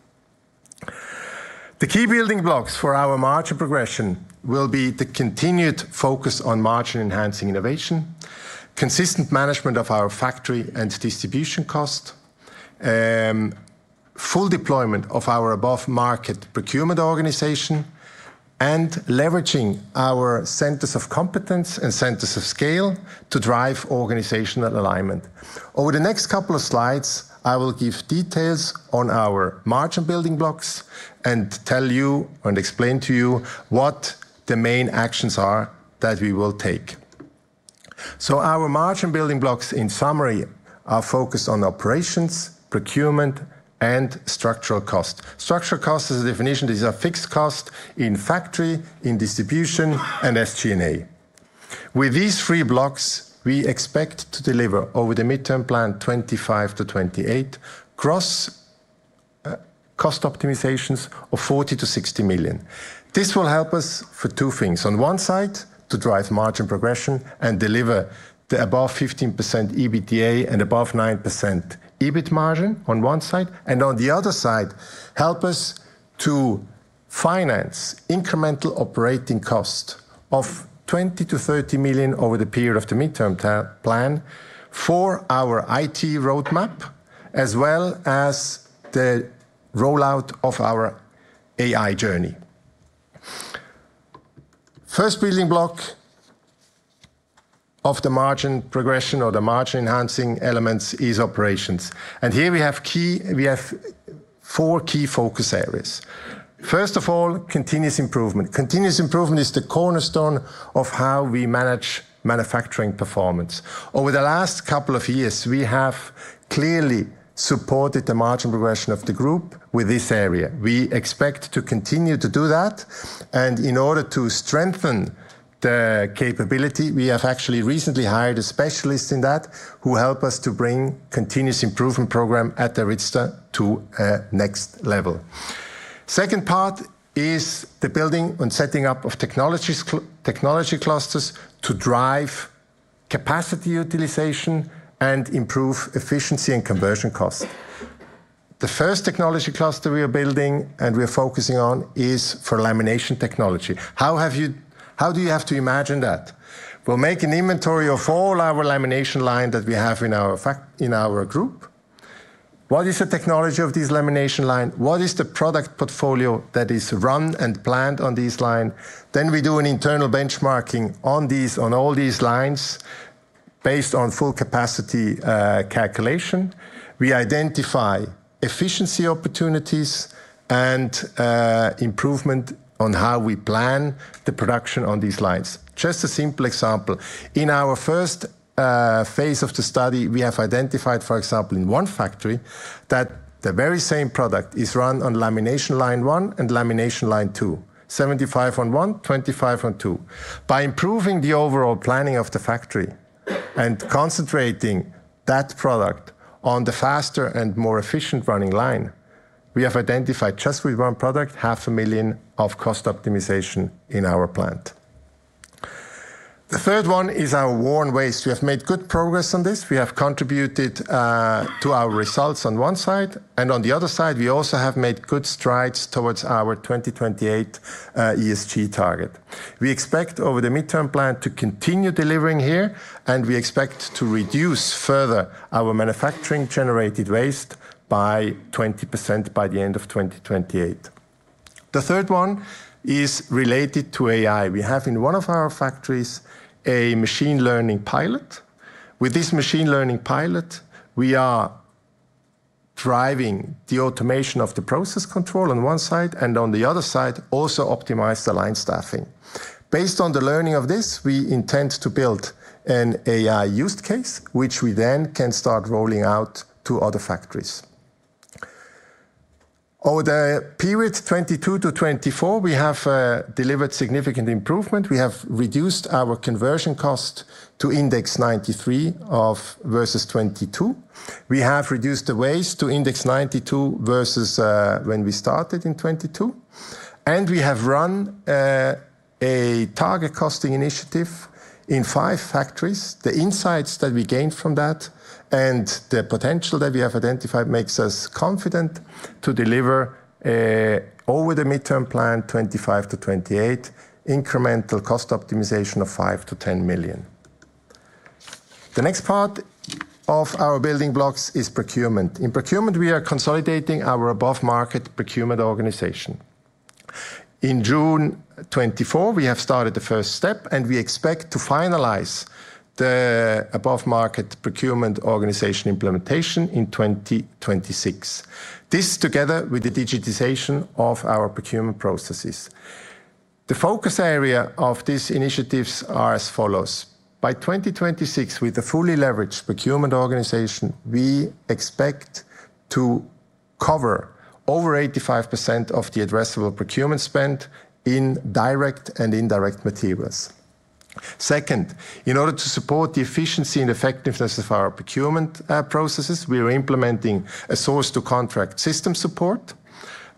The key building blocks for our margin progression will be the continued focus on margin-enhancing innovation, consistent management of our factory and distribution cost, full deployment of our above-market procurement organization, and leveraging our centers of competence and centers of scale to drive organizational alignment. Over the next couple of slides, I will give details on our margin building blocks and tell you and explain to you what the main actions are that we will take. Our margin building blocks, in summary, are focused on operations, procurement, and structural cost. Structural cost is a definition. These are fixed costs in factory, in distribution, and SG&A. With these three blocks, we expect to deliver over the midterm plan, 2025 to 2028, cross-cost optimizations of 40 million-60 million. This will help us for two things. On one side, to drive margin progression and deliver the above 15% EBITDA and above 9% EBIT margin on one side. On the other side, help us to finance incremental operating costs of 20 million-30 million over the period of the midterm plan for our IT roadmap, as well as the rollout of our AI journey. The first building block of the margin progression or the margin-enhancing elements is operations. Here we have four key focus areas. First of all, continuous improvement. Continuous improvement is the cornerstone of how we manage manufacturing performance. Over the last couple of years, we have clearly supported the margin progression of the group with this area. We expect to continue to do that. In order to strengthen the capability, we have actually recently hired a specialist in that who helped us to bring the continuous improvement program at Aryza to a next level. The second part is the building and setting up of technology clusters to drive capacity utilization and improve efficiency and conversion costs. The first technology cluster we are building and we are focusing on is for lamination technology. How do you have to imagine that? We'll make an inventory of all our lamination lines that we have in our group. What is the technology of these lamination lines? What is the product portfolio that is run and planned on these lines? We do an internal benchmarking on all these lines based on full capacity calculation. We identify efficiency opportunities and improvement on how we plan the production on these lines. Just a simple example. In our first phase of the study, we have identified, for example, in one factory that the very same product is run on lamination line one and lamination line two, 75 on one, 25 on two. By improving the overall planning of the factory and concentrating that product on the faster and more efficient running line, we have identified just with one product $500,000 of cost optimization in our plant. The third one is our own waste. We have made good progress on this. We have contributed to our results on one side. On the other side, we also have made good strides towards our 2028 ESG target. We expect over the midterm plan to continue delivering here, and we expect to reduce further our manufacturing-generated waste by 20% by the end of 2028. The third one is related to AI. We have in one of our factories a machine learning pilot. With this machine learning pilot, we are driving the automation of the process control on one side and on the other side, also optimize the line staffing. Based on the learning of this, we intend to build an AI use case, which we then can start rolling out to other factories. Over the period 2022 to 2024, we have delivered significant improvement. We have reduced our conversion cost to index 93 versus 2022. We have reduced the waste to index 92 versus when we started in 2022. We have run a target costing initiative in five factories. The insights that we gained from that and the potential that we have identified makes us confident to deliver over the midterm plan, 2025 to 2028, incremental cost optimization of 5 million-10 million. The next part of our building blocks is procurement. In procurement, we are consolidating our above-market procurement organization. In June 2024, we have started the first step, and we expect to finalize the above-market procurement organization implementation in 2026. This together with the digitization of our procurement processes. The focus area of these initiatives is as follows. By 2026, with a fully leveraged procurement organization, we expect to cover over 85% of the addressable procurement spend in direct and indirect materials. Second, in order to support the efficiency and effectiveness of our procurement processes, we are implementing a source-to-contract system support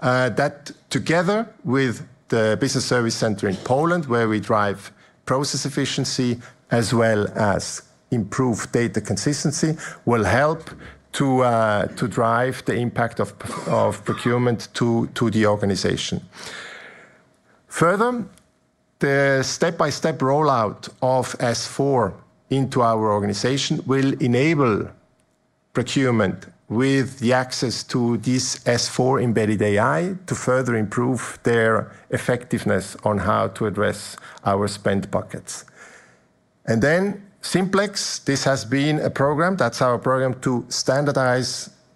that, together with the business service center in Poland, where we drive process efficiency as well as improved data consistency, will help to drive the impact of procurement to the organization. Further, the step-by-step rollout of S/4 into our organization will enable procurement with access to this S/4 embedded AI to further improve their effectiveness on how to address our spend buckets. Simplex, this has been a program. That's our program to standardize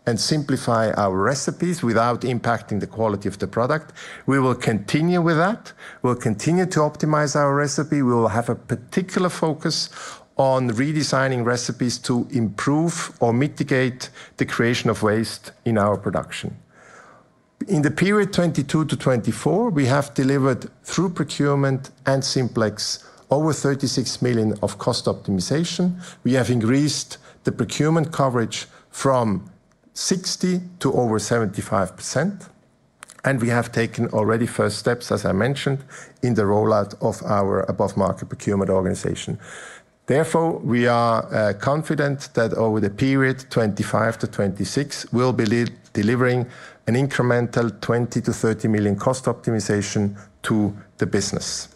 and simplify our recipes without impacting the quality of the product. We will continue with that. We'll continue to optimize our recipe. We will have a particular focus on redesigning recipes to improve or mitigate the creation of waste in our production. In the period 2022 to 2024, we have delivered through procurement and Simplex over 36 million of cost optimization. We have increased the procurement coverage from 60% to over 75%. We have taken already first steps, as I mentioned, in the rollout of our above-market procurement organization. Therefore, we are confident that over the period 2025-2026, we'll be delivering an incremental 20 million-30 million cost optimization to the business.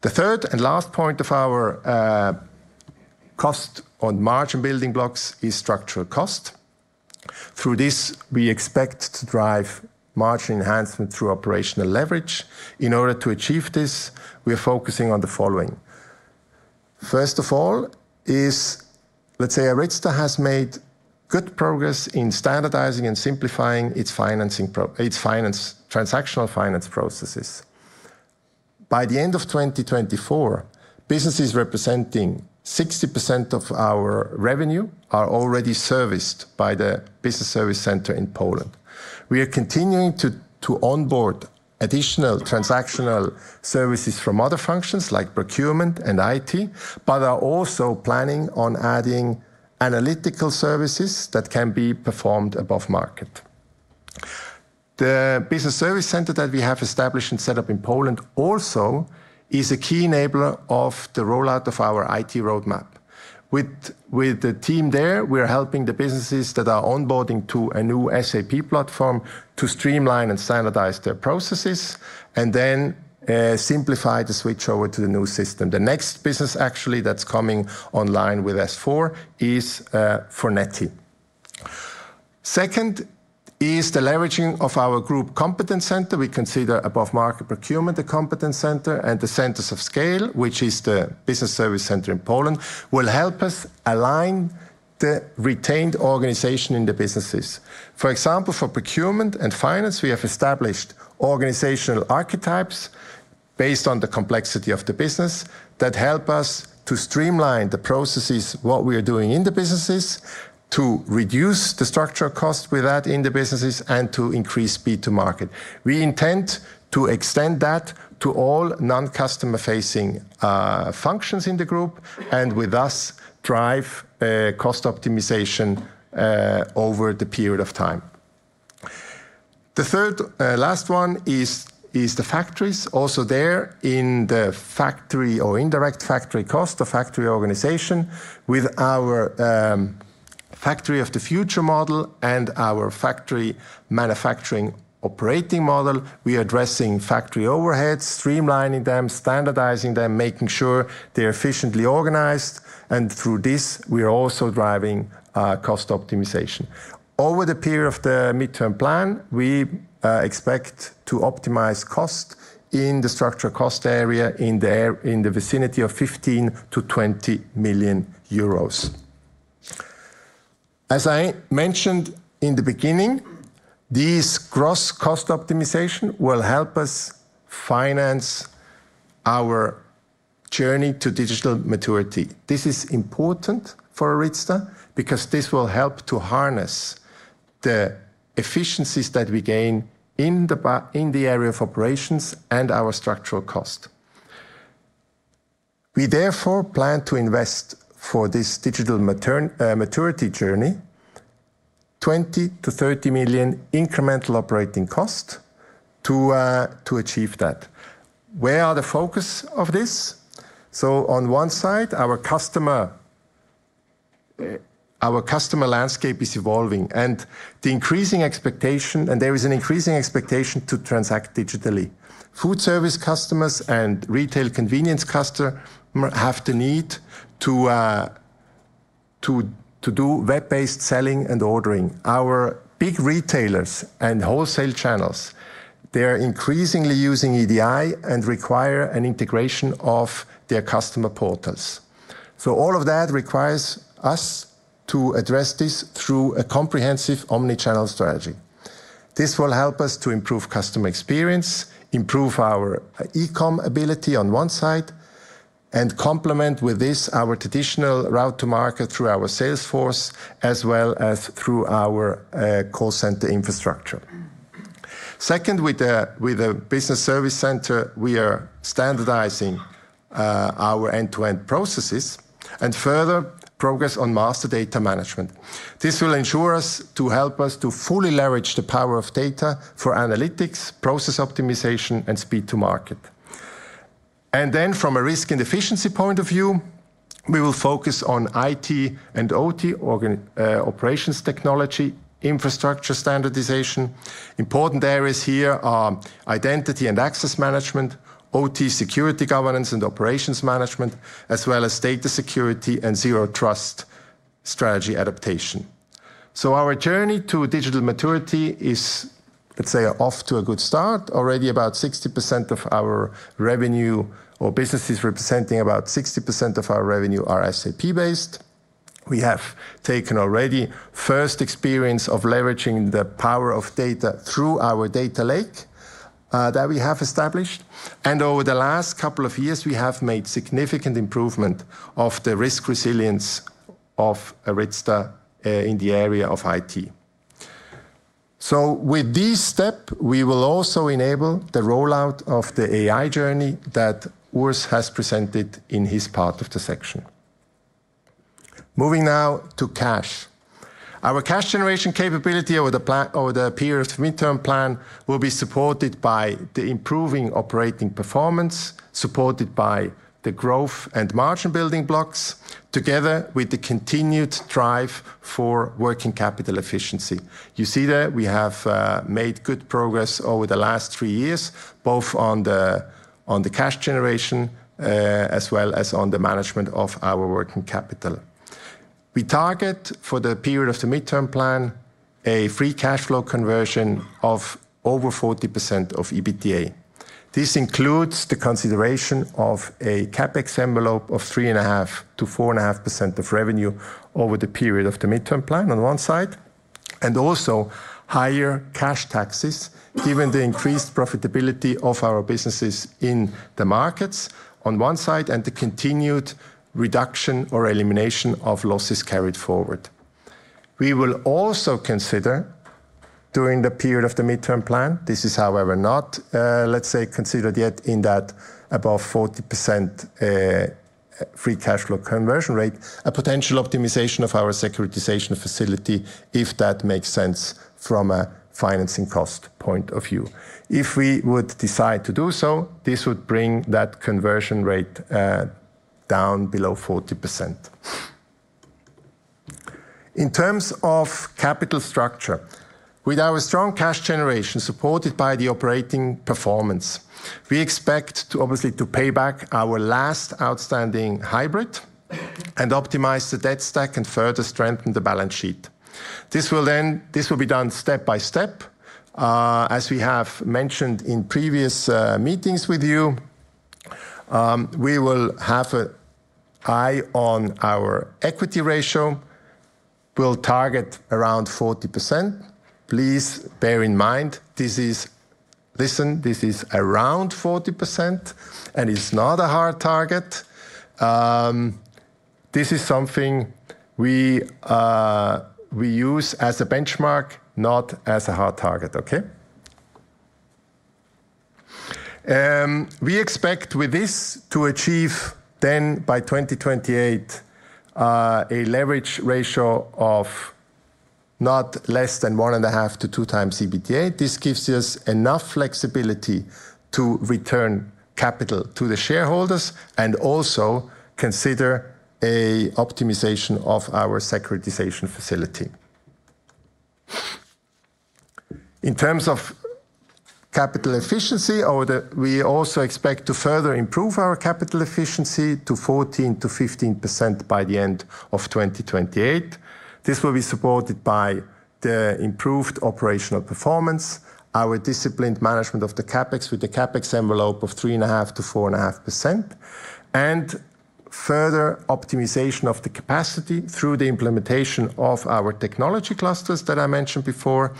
The third and last point of our cost on margin building blocks is structural cost. Through this, we expect to drive margin enhancement through operational leverage. In order to achieve this, we are focusing on the following. First of all, let's say Aryza has made good progress in standardizing and simplifying its transactional finance processes. By the end of 2024, businesses representing 60% of our revenue are already serviced by the business service center in Poland. We are continuing to onboard additional transactional services from other functions like procurement and IT, but are also planning on adding analytical services that can be performed above market. The business service center that we have established and set up in Poland also is a key enabler of the rollout of our IT roadmap. With the team there, we are helping the businesses that are onboarding to a new SAP platform to streamline and standardize their processes and then simplify the switch over to the new system. The next business actually that's coming online with SAP S/4HANA is Fornetti. Second is the leveraging of our group competence center. We consider above-market procurement, the competence center and the centers of scale, which is the business service center in Poland, will help us align the retained organization in the businesses. For example, for procurement and finance, we have established organizational archetypes based on the complexity of the business that help us to streamline the processes, what we are doing in the businesses, to reduce the structural cost with that in the businesses and to increase speed to market. We intend to extend that to all non-customer-facing functions in the group and with us drive cost optimization over the period of time. The third last one is the factories. Also there in the factory or indirect factory cost of factory organization with our factory of the future model and our factory manufacturing operating model, we are addressing factory overheads, streamlining them, standardizing them, making sure they're efficiently organized. Through this, we are also driving cost optimization. Over the period of the midterm plan, we expect to optimize cost in the structural cost area in the vicinity of 15-20 million euros. As I mentioned in the beginning, this gross cost optimization will help us finance our journey to digital maturity. This is important for Aryza because this will help to harness the efficiencies that we gain in the area of operations and our structural cost. We therefore plan to invest for this digital maturity journey 20-30 million incremental operating cost to achieve that. Where are the focus of this? On one side, our customer landscape is evolving and the increasing expectation, and there is an increasing expectation to transact digitally. Food service customers and retail convenience customers have the need to do web-based selling and ordering. Our big retailers and wholesale channels, they are increasingly using EDI and require an integration of their customer portals. All of that requires us to address this through a comprehensive omnichannel strategy. This will help us to improve customer experience, improve our e-com ability on one side, and complement with this our traditional route to market through our sales force as well as through our call center infrastructure. Second, with the business service center, we are standardizing our end-to-end processes and further progress on master data management. This will ensure us to help us to fully leverage the power of data for analytics, process optimization, and speed to market. From a risk and efficiency point of view, we will focus on IT and OT operations technology infrastructure standardization. Important areas here are identity and access management, OT security governance and operations management, as well as data security and zero trust strategy adaptation. Our journey to digital maturity is, let's say, off to a good start. Already about 60% of our revenue or businesses representing about 60% of our revenue are SAP-based. We have taken already first experience of leveraging the power of data through our data lake that we have established. Over the last couple of years, we have made significant improvement of the risk resilience of Aryza in the area of IT. With this step, we will also enable the rollout of the AI journey that Urs has presented in his part of the section. Moving now to cash. Our cash generation capability over the period of midterm plan will be supported by the improving operating performance supported by the growth and margin building blocks together with the continued drive for working capital efficiency. You see that we have made good progress over the last three years, both on the cash generation as well as on the management of our working capital. We target for the period of the midterm plan a free cash flow conversion of over 40% of EBITDA. This includes the consideration of a CapEx envelope of 3.5%-4.5% of revenue over the period of the midterm plan on one side, and also higher cash taxes given the increased profitability of our businesses in the markets on one side and the continued reduction or elimination of losses carried forward. We will also consider during the period of the midterm plan, this is however not, let's say, considered yet in that above 40% free cash flow conversion rate, a potential optimization of our securitization facility if that makes sense from a financing cost point of view. If we would decide to do so, this would bring that conversion rate down below 40%. In terms of capital structure, with our strong cash generation supported by the operating performance, we expect to obviously pay back our last outstanding hybrid and optimize the debt stack and further strengthen the balance sheet. This will be done step by step. As we have mentioned in previous meetings with you, we will have an eye on our equity ratio. We'll target around 40%. Please bear in mind, listen, this is around 40% and it's not a hard target. This is something we use as a benchmark, not as a hard target, okay? We expect with this to achieve then by 2028 a leverage ratio of not less than 1.5x-2x EBITDA. This gives us enough flexibility to return capital to the shareholders and also consider an optimization of our securitization facility. In terms of capital efficiency, we also expect to further improve our capital efficiency to 14%-15% by the end of 2028. This will be supported by the improved operational performance, our disciplined management of the CapEx with the CapEx envelope of 3.5%-4.5%, and further optimization of the capacity through the implementation of our technology clusters that I mentioned before,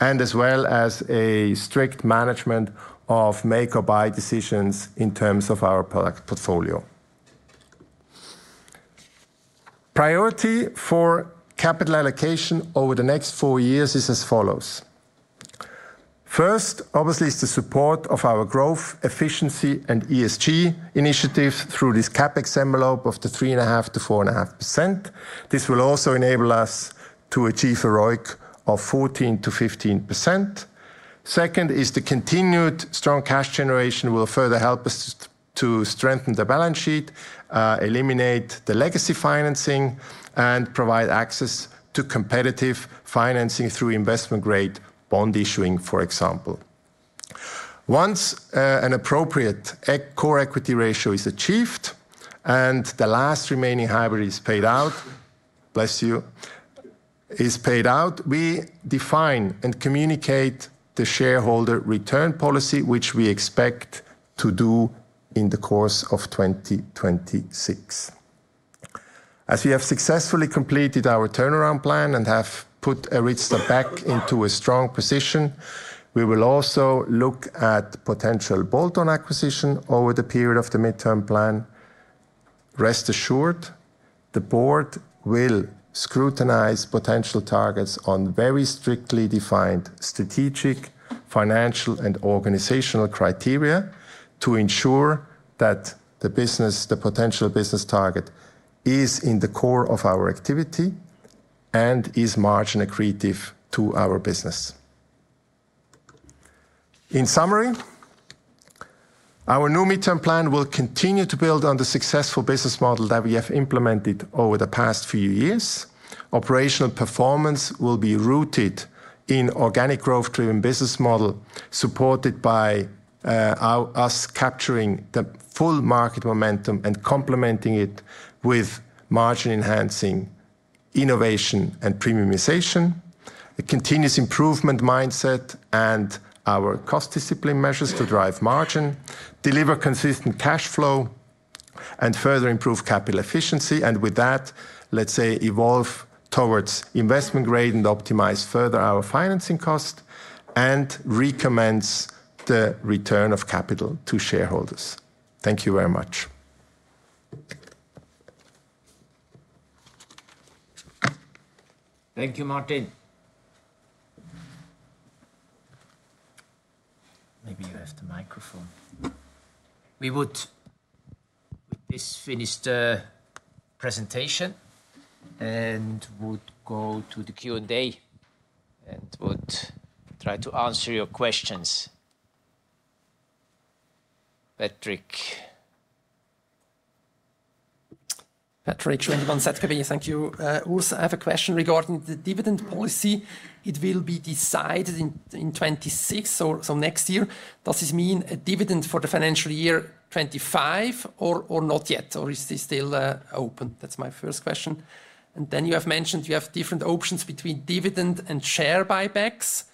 and as well as a strict management of make or buy decisions in terms of our product portfolio. Priority for capital allocation over the next four years is as follows. First, obviously, is the support of our growth efficiency and ESG initiatives through this CapEx envelope of the 3.5%-4.5%. This will also enable us to achieve a ROIC of 14%-15%. Second, is the continued strong cash generation will further help us to strengthen the balance sheet, eliminate the legacy financing, and provide access to competitive financing through investment-grade bond issuing, for example. Once an appropriate core equity ratio is achieved and the last remaining hybrid is paid out, bless you, is paid out, we define and communicate the shareholder return policy, which we expect to do in the course of 2026. As we have successfully completed our turnaround plan and have put Aryza back into a strong position, we will also look at potential bolt-on acquisition over the period of the midterm plan. Rest assured, the board will scrutinize potential targets on very strictly defined strategic, financial, and organizational criteria to ensure that the business, the potential business target, is in the core of our activity and is margin accretive to our business. In summary, our new midterm plan will continue to build on the successful business model that we have implemented over the past few years. Operational performance will be rooted in an organic growth-driven business model supported by us capturing the full market momentum and complementing it with margin-enhancing innovation and premiumization, a continuous improvement mindset, and our cost discipline measures to drive margin, deliver consistent cash flow, and further improve capital efficiency. Let's say, evolve towards investment grade and optimize further our financing cost and recommence the return of capital to shareholders. Thank you very much. Thank you, Martin. Maybe you have the microphone. We would, with this, finish the presentation and would go to the Q&A and would try to answer your questions. Patrik. Patrik, 21 seconds. Thank you. Urs, I have a question regarding the dividend policy. It will be decided in 2026 or so next year. Does this mean a dividend for the financial year 2025 or not yet? Or is this still open? That's my first question. And then you have mentioned you have different options between dividend and share buybacks.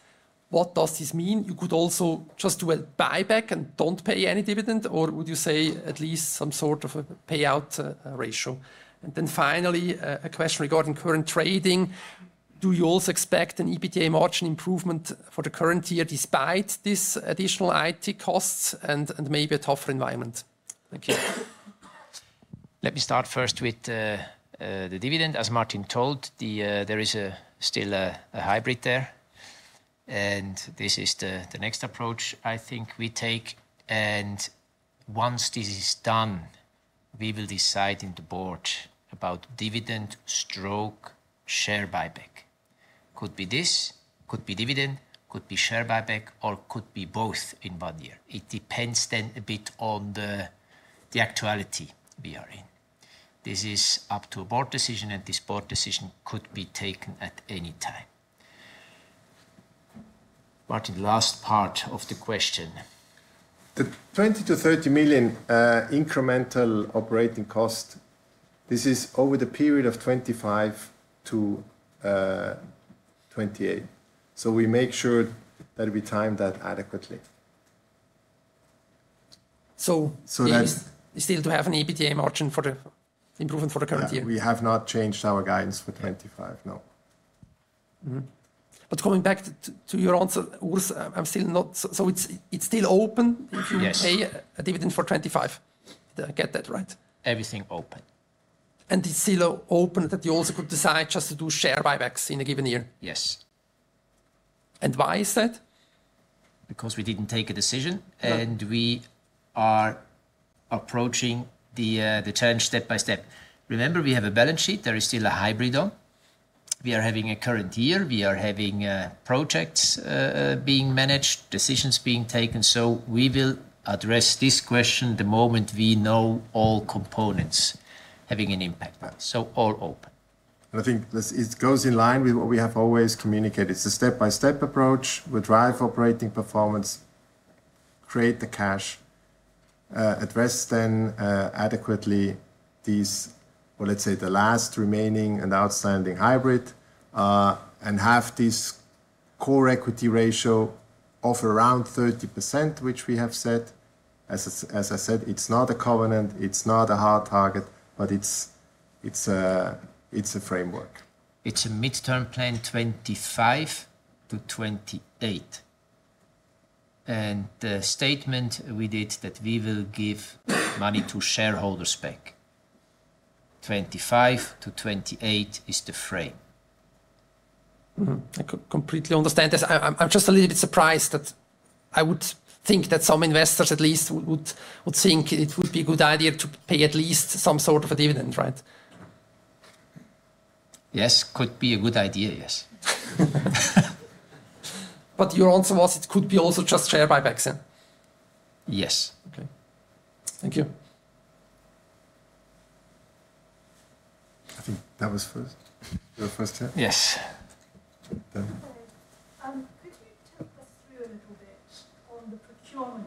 What does this mean? You could also just do a buyback and do not pay any dividend, or would you say at least some sort of a payout ratio? And then finally, a question regarding current trading. Do you also expect an EBITDA margin improvement for the current year despite this additional IT costs and maybe a tougher environment? Thank you. Let me start first with the dividend. As Martin told, there is still a hybrid there. This is the next approach I think we take. Once this is done, we will decide in the board about dividend stroke, share buyback. Could be this, could be dividend, could be share buyback, or could be both in one year. It depends then a bit on the actuality we are in. This is up to a board decision, and this board decision could be taken at any time. Martin, the last part of the question. The 20 million-30 million incremental operating cost, this is over the period of 2025-2028. We make sure that we time that adequately. That is still to have an EBITDA margin for the improvement for the current year? We have not changed our guidance for 2025, no. Coming back to your answer, Urs, I'm still not, so it's still open if you pay a dividend for 2025? Did I get that right? Everything open. It's still open that you also could decide just to do share buybacks in a given year? Yes. Why is that? Because we didn't take a decision and we are approaching the challenge step by step. Remember, we have a balance sheet. There is still a hybrid on. We are having a current year. We are having projects being managed, decisions being taken. We will address this question the moment we know all components having an impact. All open. I think it goes in line with what we have always communicated. It's a step-by-step approach. We drive operating performance, create the cash, address then adequately these, let's say, the last remaining and outstanding hybrid, and have this core equity ratio of around 30%, which we have said. As I said, it's not a covenant, it's not a hard target, but it's a framework. It's a midterm plan 2025 to 2028. And the statement we did that we will give money to shareholders back. 2025 to 2028 is the frame. I completely understand this. I'm just a little bit surprised that I would think that some investors at least would think it would be a good idea to pay at least some sort of a dividend, right? Yes, could be a good idea, yes. But your answer was it could be also just share buybacks, yeah? Yes. Okay. Thank you. That was first. Your first step? Yes. Could you talk us through a little bit on the procurement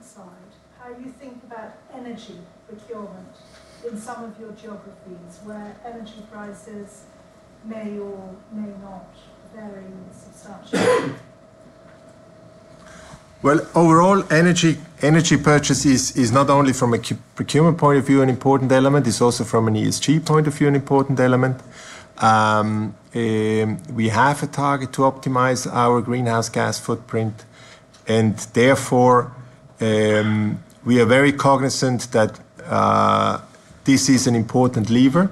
side, how you think about energy procurement in some of your geographies where energy prices may or may not vary substantially? Overall, energy purchases is not only from a procurement point of view an important element, it is also from an ESG point of view an important element. We have a target to optimize our greenhouse gas footprint, and therefore we are very cognizant that this is an important lever.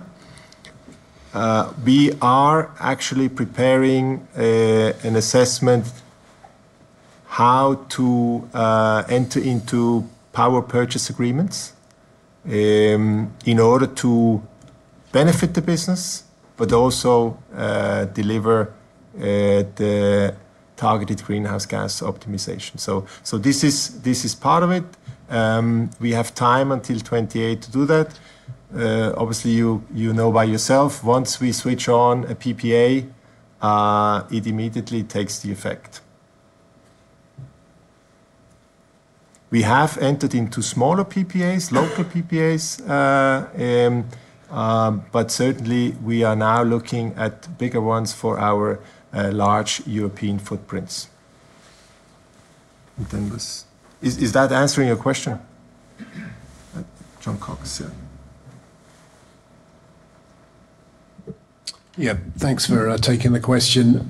We are actually preparing an assessment how to enter into power purchase agreements in order to benefit the business, but also deliver the targeted greenhouse gas optimization. This is part of it. We have time until 2028 to do that. Obviously, you know by yourself, once we switch on a PPA, it immediately takes the effect. We have entered into smaller PPAs, local PPAs, but certainly we are now looking at bigger ones for our large European footprints. Is that answering your question? John Cox. Yeah, thanks for taking the question.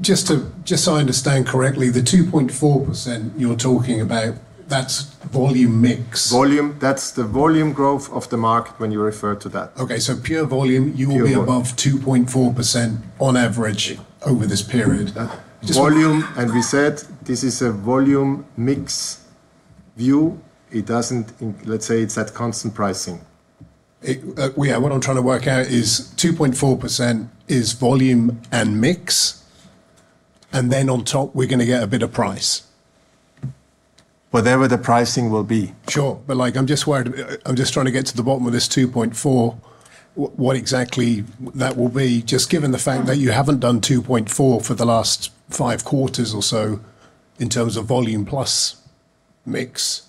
Just so I understand correctly, the 2.4% you're talking about, that's volume mix? Volume, that's the volume growth of the market when you refer to that. Okay, so pure volume, you will be above 2.4% on average over this period. Volume, and we said this is a volume mix view. It doesn't, let's say it's at constant pricing. Yeah, what I'm trying to work out is 2.4% is volume and mix, and then on top we're going to get a bit of price. Whatever the pricing will be. Sure, but I'm just worried, I'm just trying to get to the bottom of this 2.4, what exactly that will be, just given the fact that you haven't done 2.4 for the last five quarters or so in terms of volume plus mix.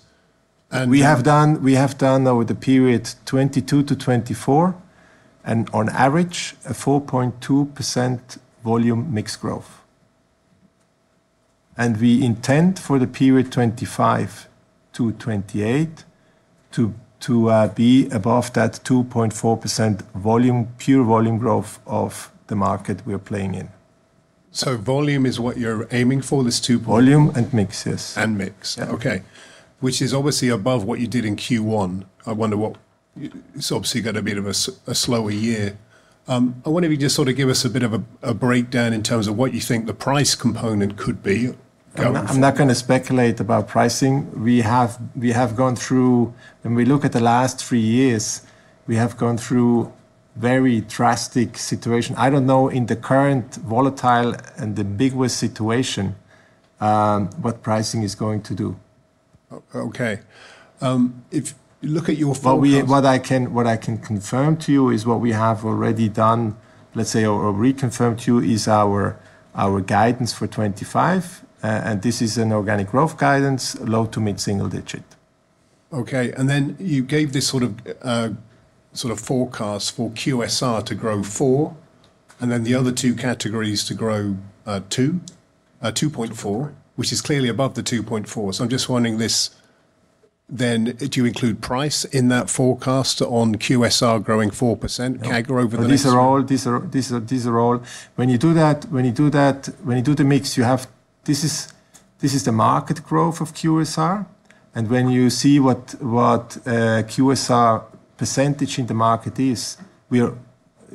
We have done over the period 2022 to 2024, and on average, a 4.2% volume mix growth. And we intend for the period 2025 to 2028 to be above that 2.4% volume, pure volume growth of the market we're playing in. So volume is what you're aiming for, this 2.4? Volume and mix, yes. And mix, okay. Which is obviously above what you did in Q1. I wonder what, it's obviously got a bit of a slower year. I wonder if you could just sort of give us a bit of a breakdown in terms of what you think the price component could be. I'm not going to speculate about pricing. We have gone through, when we look at the last three years, we have gone through a very drastic situation. I don't know in the current volatile and the biggest situation what pricing is going to do. Okay. If you look at your... What I can confirm to you is what we have already done, let's say, or reconfirmed to you is our guidance for 2025, and this is an organic growth guidance, low to mid single digit. Okay, and then you gave this sort of forecast for QSR to grow 4, and then the other two categories to grow 2, 2.4, which is clearly above the 2.4. So I'm just wondering this, then do you include price in that forecast on QSR growing 4% CAGR over the next year? These are all, when you do that, when you do the mix, you have, this is the market growth of QSR, and when you see what QSR percentage in the market is,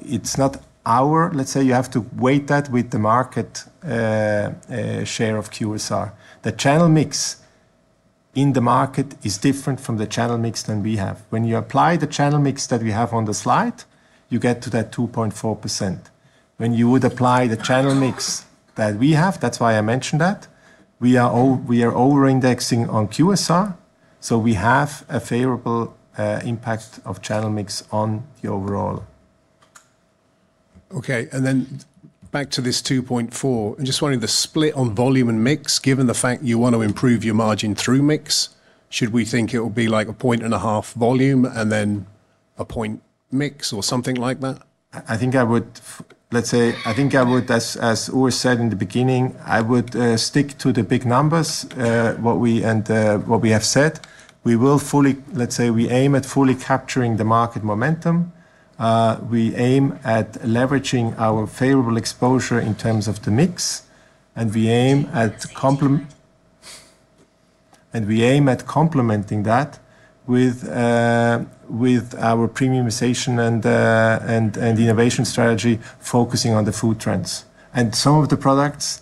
it's not our, let's say you have to weigh that with the market share of QSR. The channel mix in the market is different from the channel mix that we have. When you apply the channel mix that we have on the slide, you get to that 2.4%. When you would apply the channel mix that we have, that's why I mentioned that, we are over-indexing on QSR, so we have a favorable impact of channel mix on the overall. Okay, and then back to this 2.4, I'm just wondering the split on volume and mix, given the fact you want to improve your margin through mix, should we think it will be like a point and a half volume and then a point mix or something like that? I think I would, let's say, I think I would, as Urs said in the beginning, I would stick to the big numbers, what we have said. We will fully, let's say we aim at fully capturing the market momentum. We aim at leveraging our favorable exposure in terms of the mix, and we aim at complementing that with our premiumization and innovation strategy focusing on the food trends. And some of the products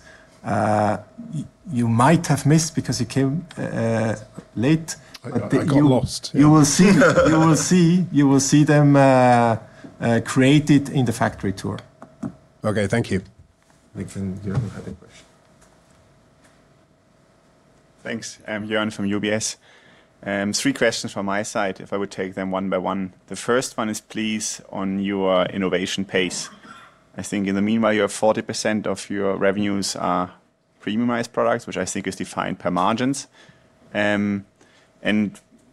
you might have missed because you came late, but you will see, you will see them created in the factory tour. Okay, thank you. Nick, you have a question. Thanks, Jørn from UBS. Three questions from my side, if I would take them one by one. The first one is please on your innovation pace. I think in the meanwhile, you have 40% of your revenues are premiumized products, which I think is defined per margins.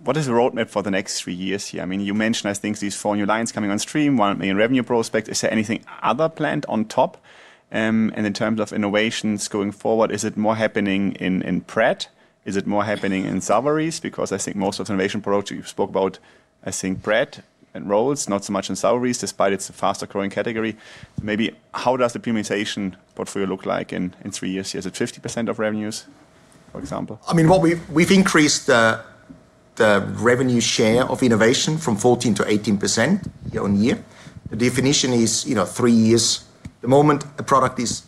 What is the roadmap for the next three years here? I mean, you mentioned, I think these four new lines coming on stream, 1 million revenue prospect. Is there anything other planned on top? In terms of innovations going forward, is it more happening in PrET? Is it more happening in sub-areas? Because I think most of the innovation products you spoke about, I think PrET and Rhodes, not so much in sub-areas, despite it's a faster growing category. Maybe how does the premiumization portfolio look like in three years here? Is it 50% of revenues, for example? I mean, we've increased the revenue share of innovation from 14% to 18% year-on-year. The definition is three years. The moment a product is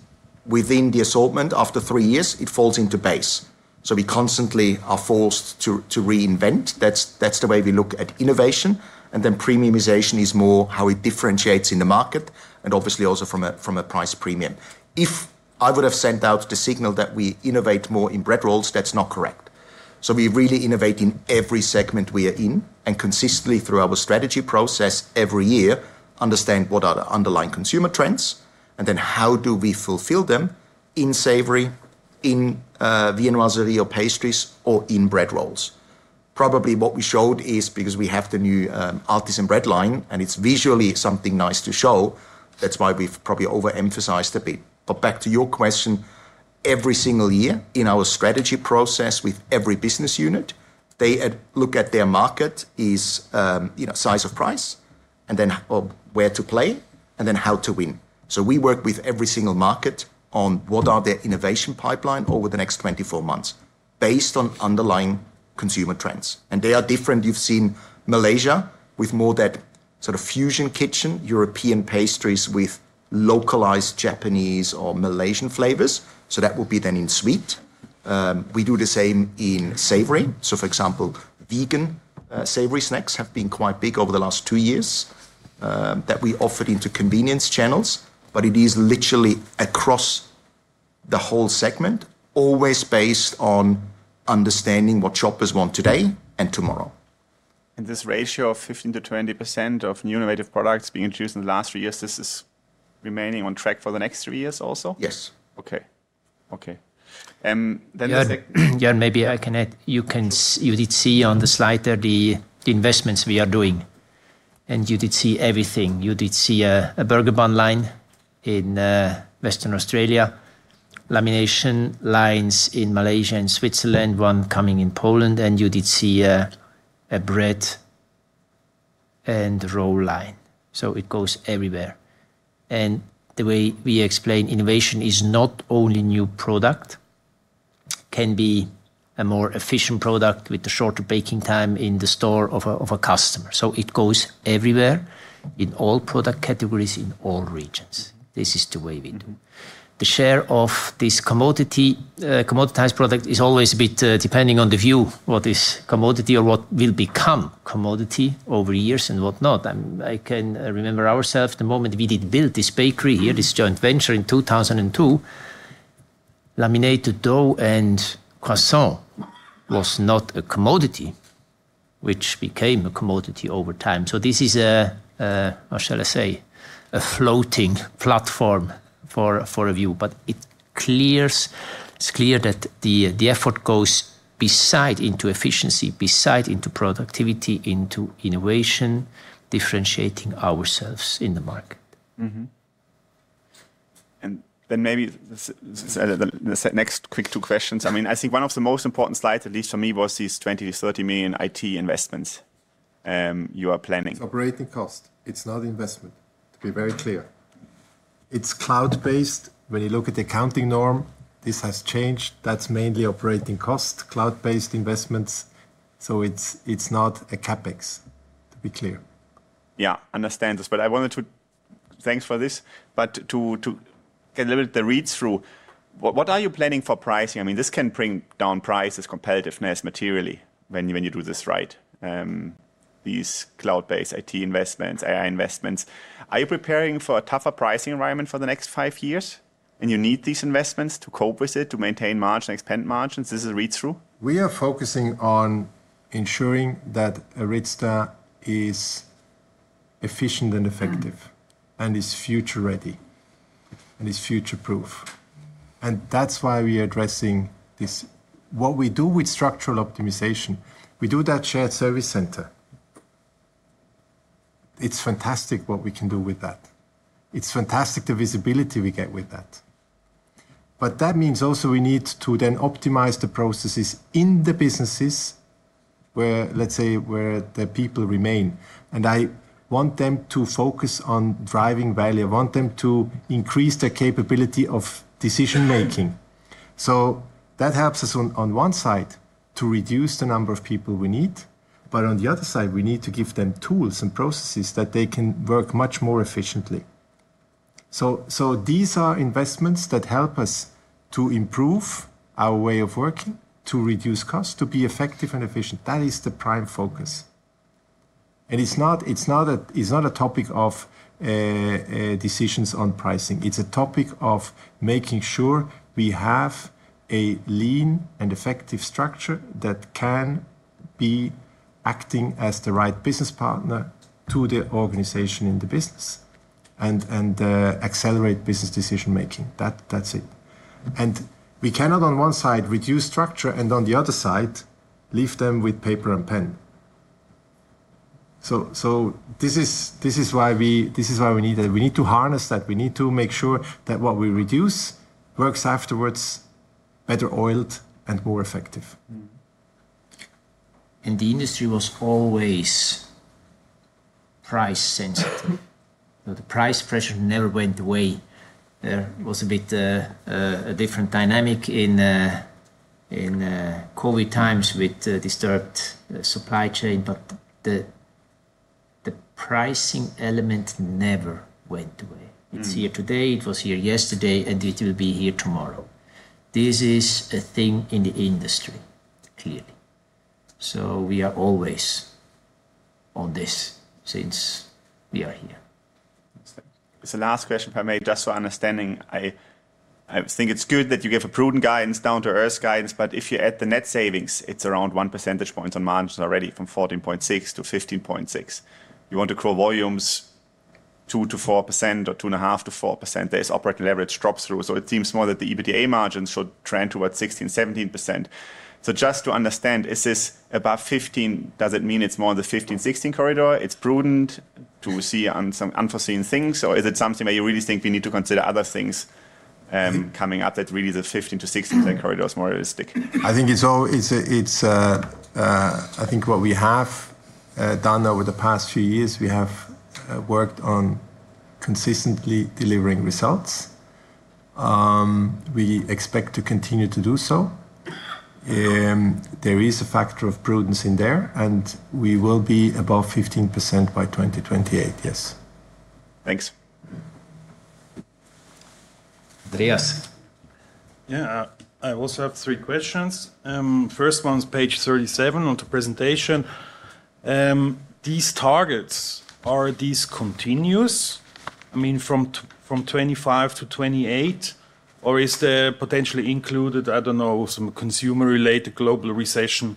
within the assortment, after three years, it falls into base. We constantly are forced to reinvent. That's the way we look at innovation. Premiumization is more how it differentiates in the market and obviously also from a price premium. If I would have sent out the signal that we innovate more in bread rolls, that's not correct. We really innovate in every segment we are in and consistently through our strategy process every year, understand what are the underlying consumer trends and then how do we fulfill them in savory, in viennoiserie or pastries or in bread rolls. Probably what we showed is because we have the new artisan bread line and it's visually something nice to show. That's why we've probably overemphasized a bit. Back to your question, every single year in our strategy process with every business unit, they look at their market, its size, price, and then where to play and then how to win. We work with every single market on what are their innovation pipeline over the next 24 months based on underlying consumer trends. They are different. You've seen Malaysia with more that sort of fusion kitchen, European pastries with localized Japanese or Malaysian flavors. That would be then in sweet. We do the same in savory. For example, vegan savory snacks have been quite big over the last two years that we offered into convenience channels, but it is literally across the whole segment, always based on understanding what shoppers want today and tomorrow. This ratio of 15%-20% of new innovative products being introduced in the last three years, this is remaining on track for the next three years also? Yes. Okay. Okay. The second... Jørn, maybe I can add, you did see on the slide there the investments we are doing. You did see everything. You did see a burger bun line in Western Australia, lamination lines in Malaysia and Switzerland, one coming in Poland, and you did see a bread and roll line. It goes everywhere. The way we explain innovation is not only new product, it can be a more efficient product with a shorter baking time in the store of a customer. It goes everywhere in all product categories in all regions. This is the way we do. The share of this commoditized product is always a bit depending on the view, what is commodity or what will become commodity over years and whatnot. I can remember ourselves the moment we did build this bakery here, this joint venture in 2002, laminated dough and croissant was not a commodity, which became a commodity over time. This is a, how shall I say, a floating platform for a view, but it is clear that the effort goes beside into efficiency, beside into productivity, into innovation, differentiating ourselves in the market. Maybe the next quick two questions. I mean, I think one of the most important slides, at least for me, was these 20 million-30 million IT investments you are planning. It's operating cost. It's not investment, to be very clear. It's cloud-based. When you look at the accounting norm, this has changed. That's mainly operating cost, cloud-based investments. So it's not a CapEx, to be clear. Yeah, I understand this, but I wanted to, thanks for this, but to get a little bit the read-through, what are you planning for pricing? I mean, this can bring down prices, competitiveness materially, when you do this right, these cloud-based IT investments, AI investments. Are you preparing for a tougher pricing environment for the next five years? And you need these investments to cope with it, to maintain margins, expand margins. This is a read-through? We are focusing on ensuring that Aryza is efficient and effective and is future-ready and is future-proof. That is why we are addressing this. What we do with structural optimization, we do that shared service center. It is fantastic what we can do with that. It is fantastic the visibility we get with that. That means also we need to then optimize the processes in the businesses where, let's say, where the people remain. I want them to focus on driving value. I want them to increase their capability of decision-making. That helps us on one side to reduce the number of people we need, but on the other side, we need to give them tools and processes that they can work much more efficiently. These are investments that help us to improve our way of working, to reduce costs, to be effective and efficient. That is the prime focus. It is not a topic of decisions on pricing. It is a topic of making sure we have a lean and effective structure that can be acting as the right business partner to the organization in the business and accelerate business decision-making. That is it. We cannot on one side reduce structure and on the other side leave them with paper and pen. This is why we need that. We need to harness that. We need to make sure that what we reduce works afterwards better oiled and more effective. In the industry, it was always price-sensitive. The price pressure never went away. There was a bit of a different dynamic in COVID times with disturbed supply chain, but the pricing element never went away. It is here today, it was here yesterday, and it will be here tomorrow. This is a thing in the industry, clearly. We are always on this since we are here. It's the last question, if I may, just so I understand. I think it's good that you give a prudent guidance, down-to-earth guidance, but if you add the net savings, it's around one percentage point on margins already from 14.6% to 15.6%. You want to grow volumes 2%-4% or 2.5%-4%. There's operating leverage drop-through, so it seems more that the EBITDA margins should trend towards 16%-17%. Just to understand, is this above 15%? Does it mean it's more in the 15%-16% corridor? It's prudent to see unforeseen things, or is it something where you really think we need to consider other things coming up that really the 15-16% corridor is more realistic? I think it's all, I think what we have done over the past few years, we have worked on consistently delivering results. We expect to continue to do so. There is a factor of prudence in there, and we will be above 15% by 2028, yes. Thanks. Andreas. Yeah, I also have three questions. First one's page 37 on the presentation. These targets, are these continuous? I mean, from 2025 to 2028, or is there potentially included, I don't know, some consumer-related global recession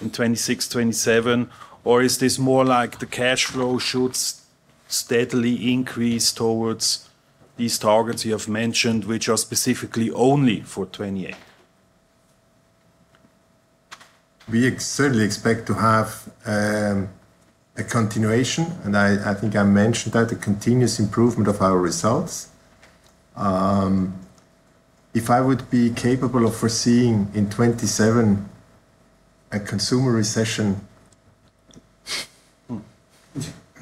in 2026, 2027, or is this more like the cash flow should steadily increase towards these targets you have mentioned, which are specifically only for 2028? We certainly expect to have a continuation, and I think I mentioned that, a continuous improvement of our results. If I would be capable of foreseeing in 2027 a consumer recession...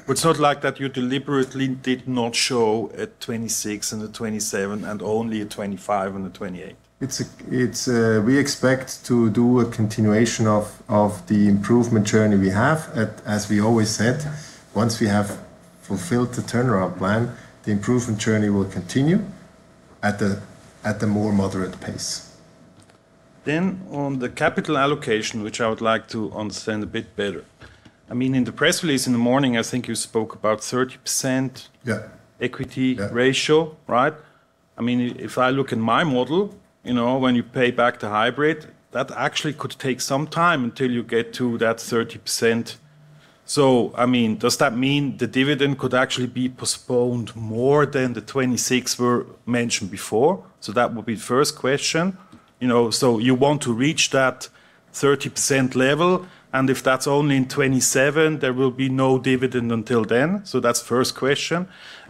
What's not like that you deliberately did not show at 2026 and at 2027 and only at 2025 and at 2028? We expect to do a continuation of the improvement journey we have, as we always said. Once we have fulfilled the turnaround plan, the improvement journey will continue at a more moderate pace. On the capital allocation, which I would like to understand a bit better. I mean, in the press release in the morning, I think you spoke about 30% equity ratio, right? I mean, if I look at my model, when you pay back the hybrid, that actually could take some time until you get to that 30%. I mean, does that mean the dividend could actually be postponed more than the 2026 we mentioned before? That would be the first question. You want to reach that 30% level, and if that's only in 2027, there will be no dividend until then. That's the first question.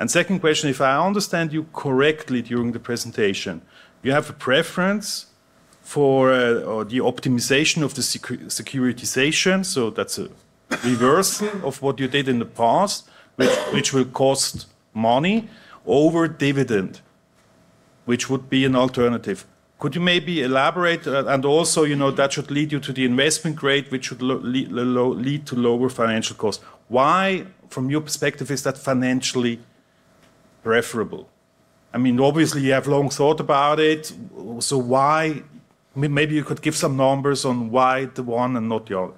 Second question, if I understand you correctly during the presentation, you have a preference for the optimization of the securitization, so that's a reversal of what you did in the past, which will cost money over dividend, which would be an alternative. Could you maybe elaborate? Also, that should lead you to the investment grade, which should lead to lower financial costs. Why, from your perspective, is that financially preferable? I mean, obviously, you have long thought about it. Why? Maybe you could give some numbers on why the one and not the other.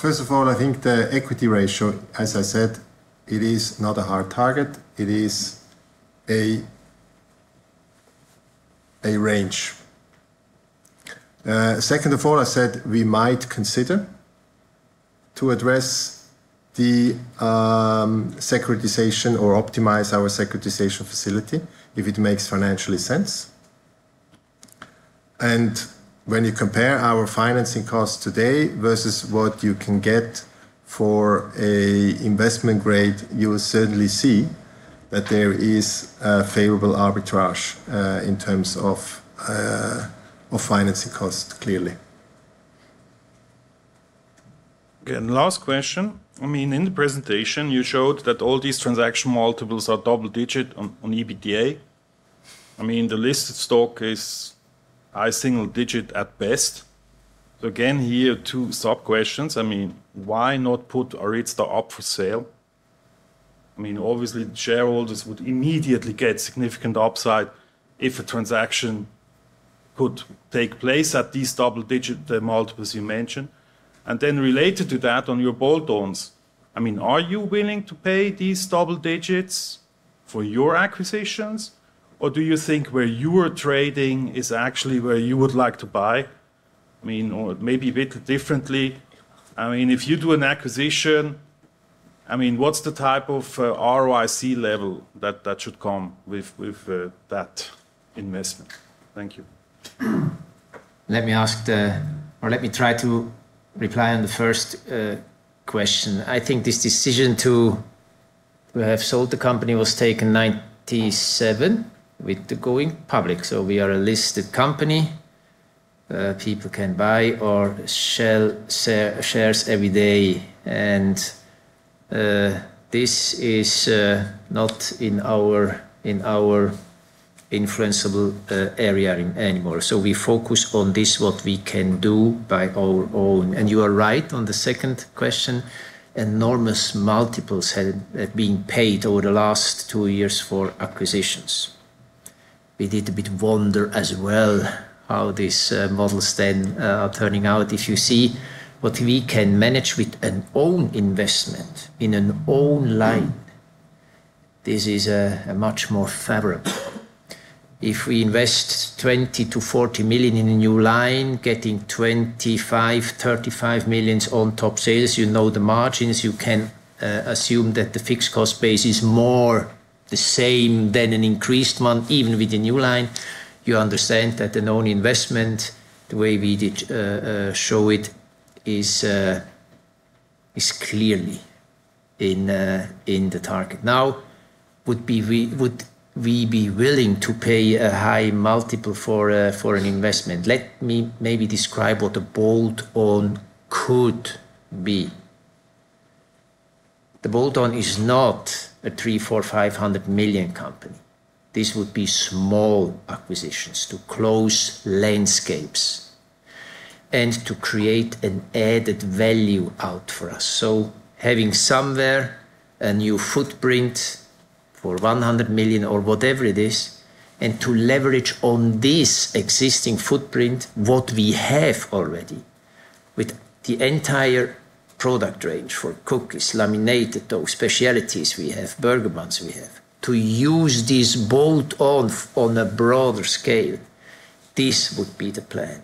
First of all, I think the equity ratio, as I said, it is not a hard target. It is a range. Second of all, I said we might consider to address the securitization or optimize our securitization facility if it makes financially sense. When you compare our financing costs today versus what you can get for an investment grade, you will certainly see that there is a favorable arbitrage in terms of financing costs, clearly. Okay, last question. I mean, in the presentation, you showed that all these transaction multiples are double-digit on EBITDA. I mean, the listed stock is high single digit at best. Again, here, two sub-questions. I mean, why not put Aryza up for sale? I mean, obviously, shareholders would immediately get significant upside if a transaction could take place at these double-digit multiples you mentioned. And then related to that, on your bolt-ons, I mean, are you willing to pay these double digits for your acquisitions, or do you think where you are trading is actually where you would like to buy? I mean, or maybe a bit differently. I mean, if you do an acquisition, I mean, what's the type of ROIC level that should come with that investment? Thank you. Let me ask the, or let me try to reply on the first question. I think this decision to have sold the company was taken 1997 with the going public. We are a listed company. People can buy or sell shares every day. This is not in our influenceable area anymore. We focus on this, what we can do by our own. You are right on the second question, enormous multiples being paid over the last two years for acquisitions. We did a bit wonder as well how these models then are turning out. If you see what we can manage with an own investment in an own line, this is much more favorable. If we invest 20 million-40 million in a new line, getting 25 million-35 million on top sales, you know the margins, you can assume that the fixed cost base is more the same than an increased one, even with a new line. You understand that an own investment, the way we show it, is clearly in the target. Now, would we be willing to pay a high multiple for an investment? Let me maybe describe what a bolt-on could be. The bolt-on is not a 300 million-500 million company. This would be small acquisitions to close landscapes and to create an added value out for us. Having somewhere a new footprint for 100 million or whatever it is, and to leverage on this existing footprint, what we have already with the entire product range for cookies, laminated dough, specialties we have, burger buns we have, to use this bolt-on on a broader scale, this would be the plan.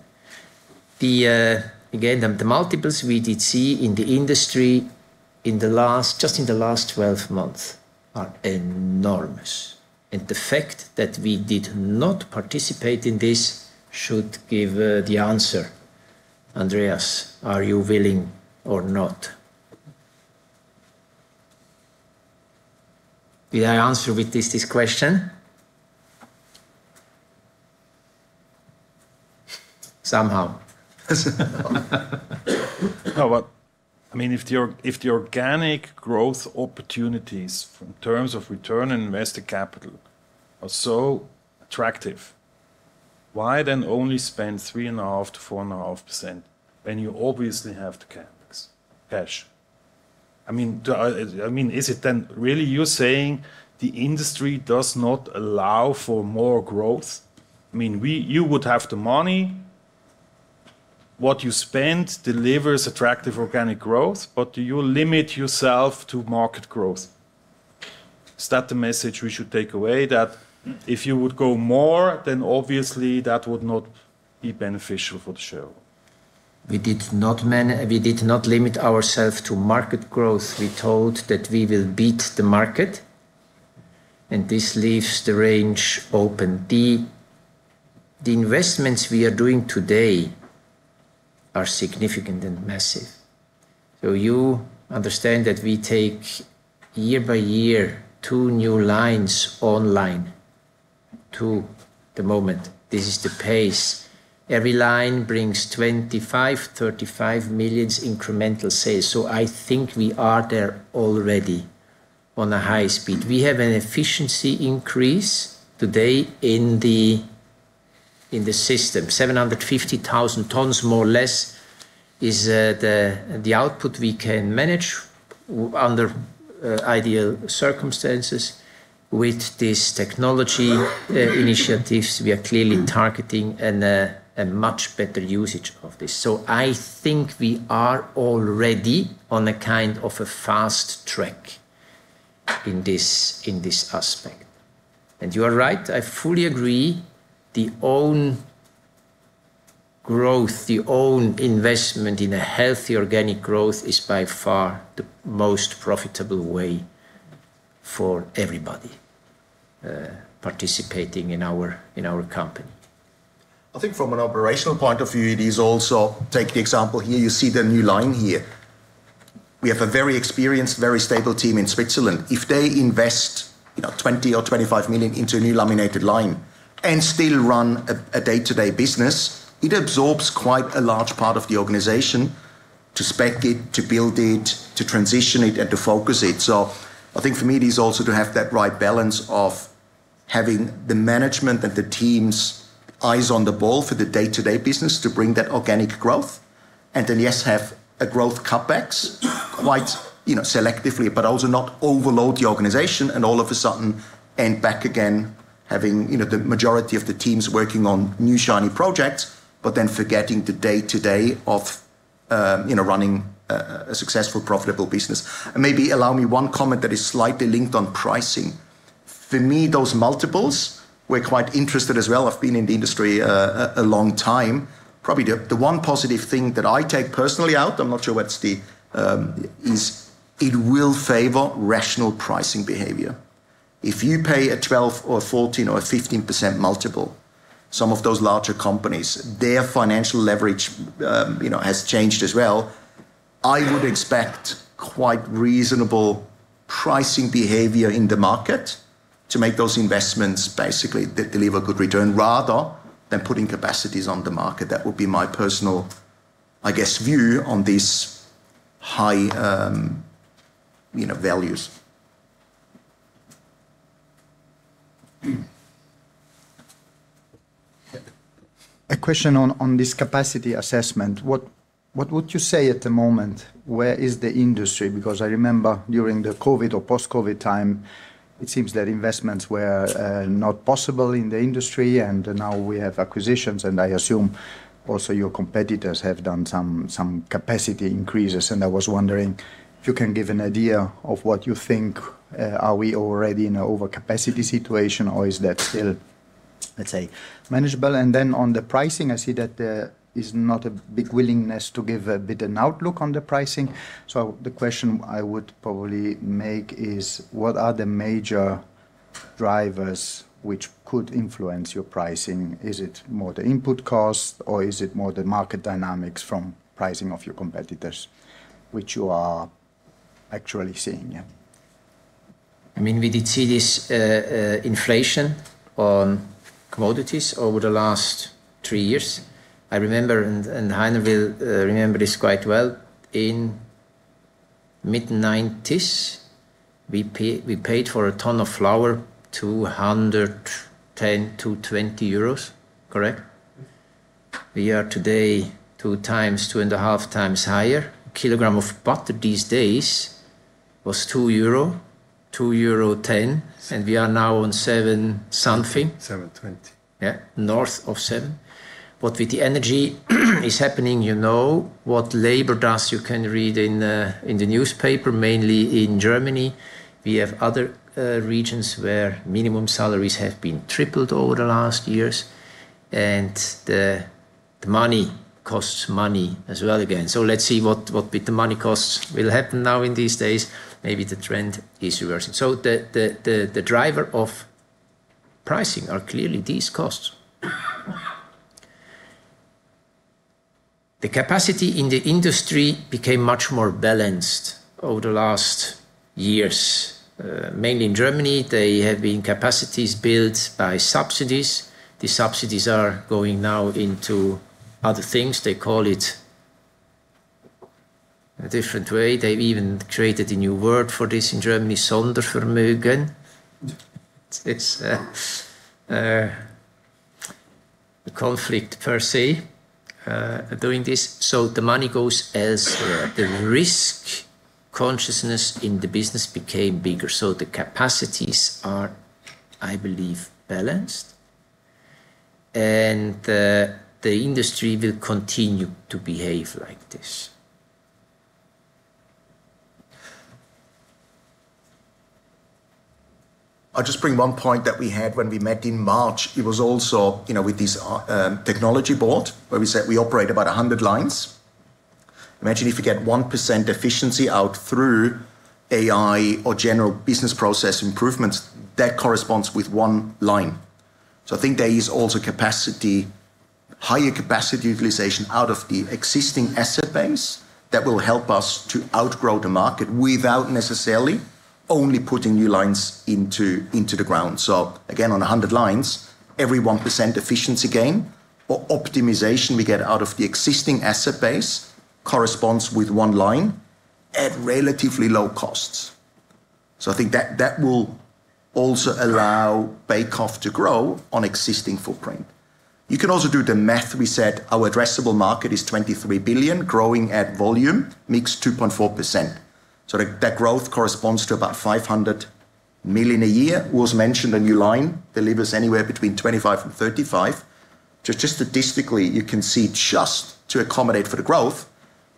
Again, the multiples we did see in the industry just in the last 12 months are enormous. The fact that we did not participate in this should give the answer. Andreas, are you willing or not? Did I answer with this question? Somehow. No, but I mean, if the organic growth opportunities in terms of return on invested capital are so attractive, why then only spend 3.5%-4.5% when you obviously have the CapEx cash? I mean, is it then really you saying the industry does not allow for more growth? I mean, you would have the money, what you spend delivers attractive organic growth, but you limit yourself to market growth. Is that the message we should take away? That if you would go more, then obviously that would not be beneficial for the shareholders. We did not limit ourselves to market growth. We told that we will beat the market, and this leaves the range open. The investments we are doing today are significant and massive. You understand that we take year by year two new lines online to the moment. This is the pace. Every line brings 25 million-35 million incremental sales. I think we are there already on a high speed. We have an efficiency increase today in the system. 750,000 tons, more or less, is the output we can manage under ideal circumstances. With these technology initiatives, we are clearly targeting a much better usage of this. I think we are already on a kind of a fast track in this aspect. You are right. I fully agree. The own growth, the own investment in a healthy organic growth is by far the most profitable way for everybody participating in our company. I think from an operational point of view, it is also take the example here. You see the new line here. We have a very experienced, very stable team in Switzerland. If they invest 20 million or 25 million into a new laminated line and still run a day-to-day business, it absorbs quite a large part of the organization to spec it, to build it, to transition it, and to focus it. I think for me, it is also to have that right balance of having the management and the teams' eyes on the ball for the day-to-day business to bring that organic growth, and then, yes, have growth cutbacks quite selectively, but also not overload the organization and all of a sudden end back again having the majority of the teams working on new shiny projects, but then forgetting the day-to-day of running a successful, profitable business. Maybe allow me one comment that is slightly linked on pricing. For me, those multiples were quite interesting as well. I've been in the industry a long time. Probably the one positive thing that I take personally out, I'm not sure what the, is it will favor rational pricing behavior. If you pay a 12 or 14 or 15% multiple, some of those larger companies, their financial leverage has changed as well. I would expect quite reasonable pricing behavior in the market to make those investments basically that deliver good return rather than putting capacities on the market. That would be my personal, I guess, view on these high values. A question on this capacity assessment. What would you say at the moment? Where is the industry? Because I remember during the COVID or post-COVID time, it seems that investments were not possible in the industry, and now we have acquisitions, and I assume also your competitors have done some capacity increases. I was wondering if you can give an idea of what you think. Are we already in an overcapacity situation, or is that still, let's say, manageable? On the pricing, I see that there is not a big willingness to give a bit of an outlook on the pricing. The question I would probably make is, what are the major drivers which could influence your pricing? Is it more the input cost, or is it more the market dynamics from pricing of your competitors which you are actually seeing? I mean, we did see this inflation on commodities over the last three years. I remember, and Heinrich will remember this quite well, in the mid-1990s, we paid for a ton of flour 210-220 euros, correct? We are today two times, two and a half times higher. A kilogram of butter these days was 2 euro, 2.10 euro, and we are now on 7 something. 7.20. Yeah, north of 7. With the energy is happening, you know what labor does, you can read in the newspaper, mainly in Germany. We have other regions where minimum salaries have been tripled over the last years, and the money costs money as well again. Let's see what the money costs will happen now in these days. Maybe the trend is reversing. The driver of pricing are clearly these costs. The capacity in the industry became much more balanced over the last years. Mainly in Germany, there have been capacities built by subsidies. The subsidies are going now into other things. They call it a different way. They've even created a new word for this in Germany, Sondervermögen. It's a conflict per se doing this. The money goes elsewhere. The risk consciousness in the business became bigger. The capacities are, I believe, balanced, and the industry will continue to behave like this. I'll just bring one point that we had when we met in March. It was also with this technology board where we said we operate about 100 lines. Imagine if you get 1% efficiency out through AI or general business process improvements, that corresponds with one line. I think there is also higher capacity utilization out of the existing asset base that will help us to outgrow the market without necessarily only putting new lines into the ground. Again, on 100 lines, every 1% efficiency gain or optimization we get out of the existing asset base corresponds with one line at relatively low costs. I think that will also allow Bake-Off to grow on existing footprint. You can also do the math. We said our addressable market is 23 billion, growing at volume, mixed 2.4%. That growth corresponds to about 500 million a year. It was mentioned a new line delivers anywhere between 25 million and 35 million. Just statistically, you can see just to accommodate for the growth,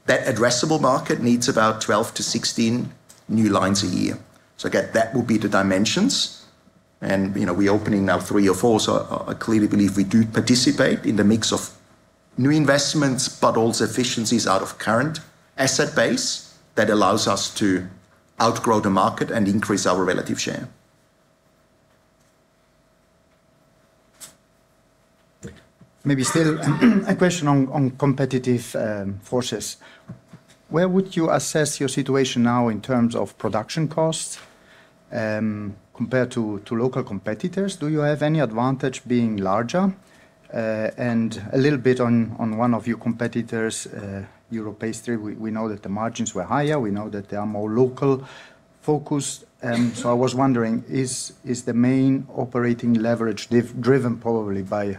that addressable market needs about 12-16 new lines a year. That would be the dimensions. We're opening now three or four. I clearly believe we do participate in the mix of new investments, but also efficiencies out of current asset base that allows us to outgrow the market and increase our relative share. Maybe still a question on competitive forces. Where would you assess your situation now in terms of production costs compared to local competitors? Do you have any advantage being larger? A little bit on one of your competitors, Europastry, we know that the margins were higher. We know that they are more local focused. I was wondering, is the main operating leverage driven probably by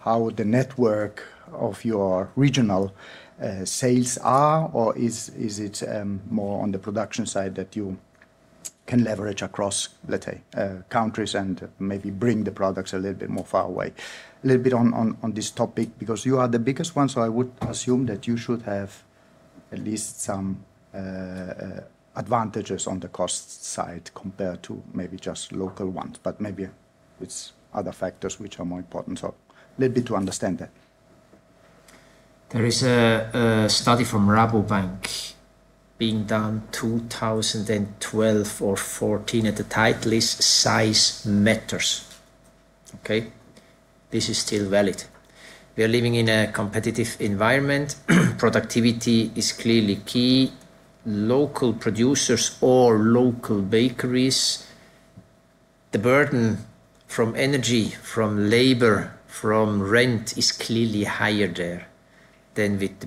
how the network of your regional sales are, or is it more on the production side that you can leverage across, let's say, countries and maybe bring the products a little bit more far away? A little bit on this topic, because you are the biggest one, so I would assume that you should have at least some advantages on the cost side compared to maybe just local ones, but maybe with other factors which are more important. A little bit to understand that. There is a study from Rabobank being done 2012 or 2014 and the title is size matters. Okay? This is still valid. We are living in a competitive environment. Productivity is clearly key. Local producers or local bakeries, the burden from energy, from labor, from rent is clearly higher there than with the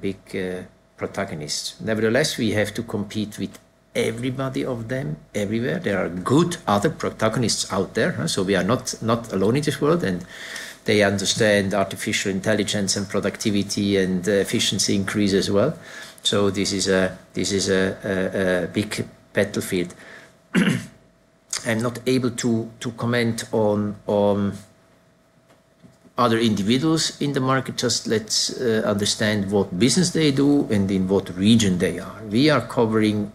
big protagonists. Nevertheless, we have to compete with every one of them everywhere. There are good other protagonists out there. We are not alone in this world, and they understand artificial intelligence and productivity and efficiency increase as well. This is a big battlefield. I'm not able to comment on other individuals in the market. Just let's understand what business they do and in what region they are. We are covering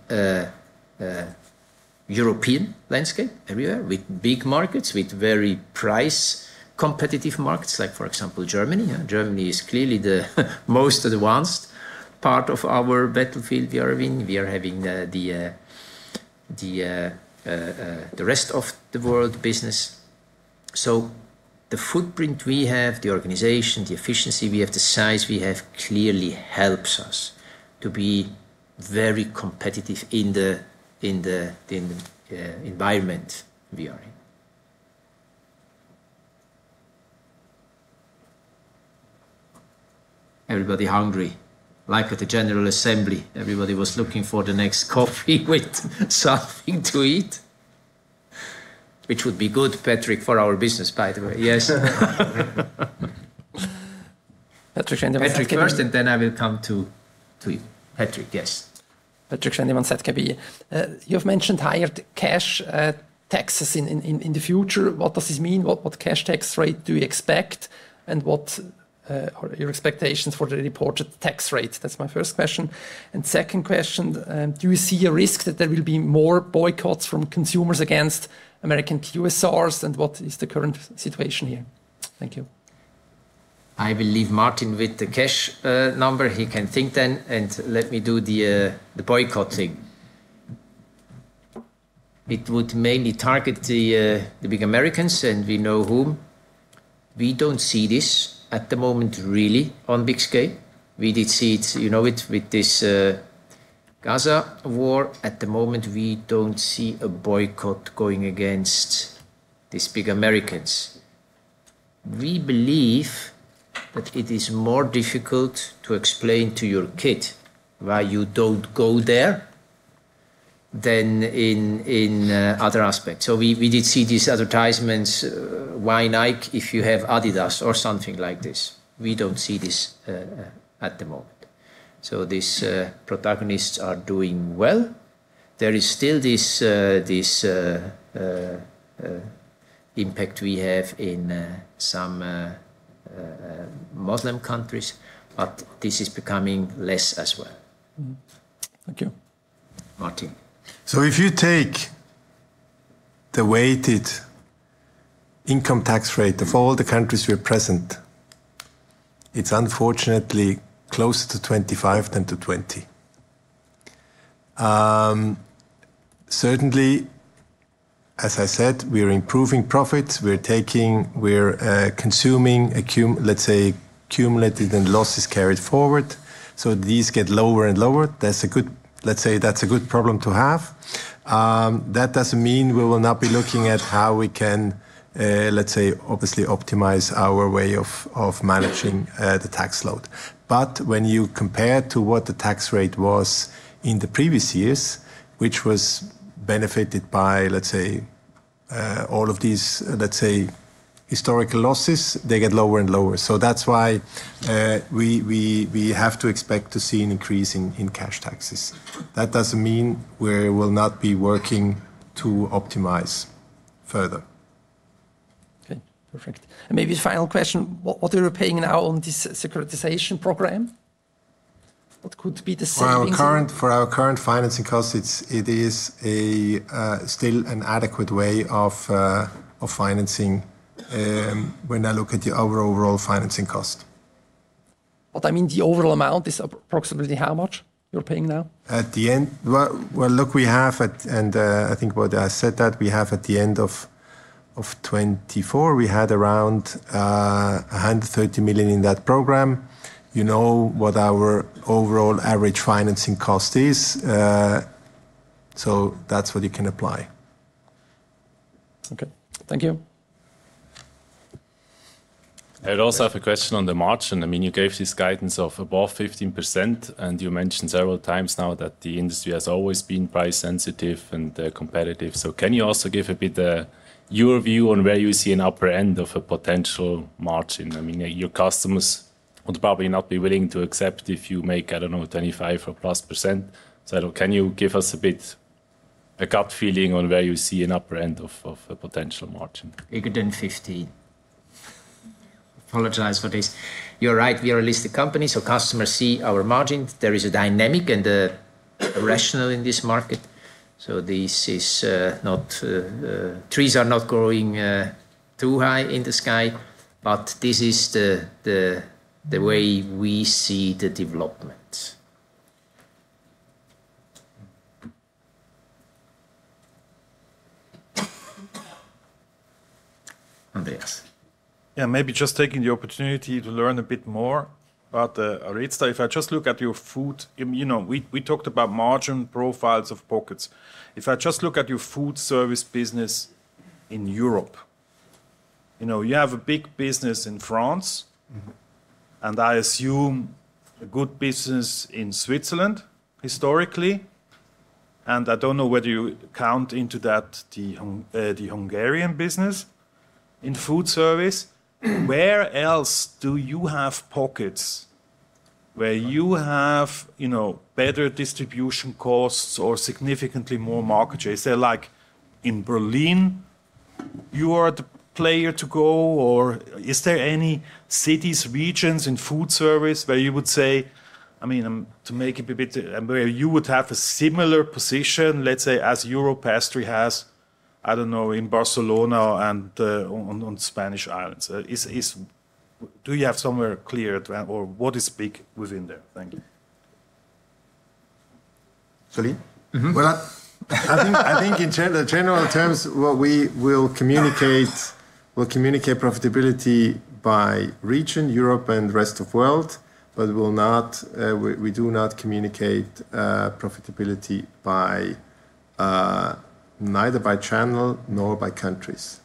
European landscape everywhere with big markets, with very price competitive markets, like for example, Germany. Germany is clearly the most advanced part of our battlefield we are in. We are having the rest of the world business. The footprint we have, the organization, the efficiency we have, the size we have clearly helps us to be very competitive in the environment we are in. Everybody hungry. Like at the General Assembly, everybody was looking for the next coffee with something to eat, which would be good, Patrik, for our business, by the way. Yes. Patrik Schwendimann. Patrik first, and then I will come to Patrik. Yes. Patrik Schwendimann, ZKB. You've mentioned higher cash taxes in the future. What does this mean? What cash tax rate do you expect? What are your expectations for the reported tax rate? That's my first question. Second question, do you see a risk that there will be more boycotts from consumers against American QSRs? What is the current situation here? Thank you. I will leave Martin with the cash number. He can think then and let me do the boycotting. It would mainly target the big Americans, and we know whom. We do not see this at the moment really on big scale. We did see it with this Gaza war. At the moment, we do not see a boycott going against these big Americans. We believe that it is more difficult to explain to your kid why you do not go there than in other aspects. We did see these advertisements, "Why Nike if you have Adidas?" or something like this. We do not see this at the moment. These protagonists are doing well. There is still this impact we have in some Muslim countries, but this is becoming less as well. Thank you. Martin. If you take the weighted income tax rate of all the countries we are present, it is unfortunately closer to 25% than to 20%. Certainly, as I said, we're improving profits. We're consuming, let's say, accumulated and losses carried forward. So these get lower and lower. Let's say that's a good problem to have. That doesn't mean we will not be looking at how we can, let's say, obviously optimize our way of managing the tax load. When you compare to what the tax rate was in the previous years, which was benefited by, let's say, all of these, let's say, historical losses, they get lower and lower. That's why we have to expect to see an increase in cash taxes. That doesn't mean we will not be working to optimize further. Okay. Perfect. Maybe final question, what are you paying now on this securitization program? What could be the savings? For our current financing costs, it is still an adequate way of financing when I look at the overall financing cost. What I mean, the overall amount is approximately how much you're paying now? At the end, look, we have, and I think what I said that we have at the end of 2024, we had around 130 million in that program. You know what our overall average financing cost is. So that's what you can apply. Okay. Thank you. I would also have a question on the margin. I mean, you gave this guidance of above 15%, and you mentioned several times now that the industry has always been price sensitive and competitive. Can you also give a bit of your view on where you see an upper end of a potential margin? I mean, your customers would probably not be willing to accept if you make, I don't know, 25% or plus. So can you give us a bit of a gut feeling on where you see an upper end of a potential margin? 115. I apologize for this. You're right. We are a listed company, so customers see our margin. There is a dynamic and a rationale in this market. These trees are not growing too high in the sky, but this is the way we see the development. Andreas. Yeah, maybe just taking the opportunity to learn a bit more about the rate stuff. If I just look at your food, we talked about margin profiles of pockets. If I just look at your food service business in Europe, you have a big business in France, and I assume a good business in Switzerland historically. I don't know whether you count into that the Hungarian business in food service. Where else do you have pockets where you have better distribution costs or significantly more market share? Is there, like in Berlin, you are the player to go? Is there any cities, regions in food service where you would say, I mean, to make it a bit, where you would have a similar position, let's say, as Europastry has, I don't know, in Barcelona and on the Spanish islands? Do you have somewhere clear or what is big within there? Thank you. Soline? I think in general terms, we will communicate profitability by region, Europe, and rest of the world, but we do not communicate profitability neither by channel nor by countries.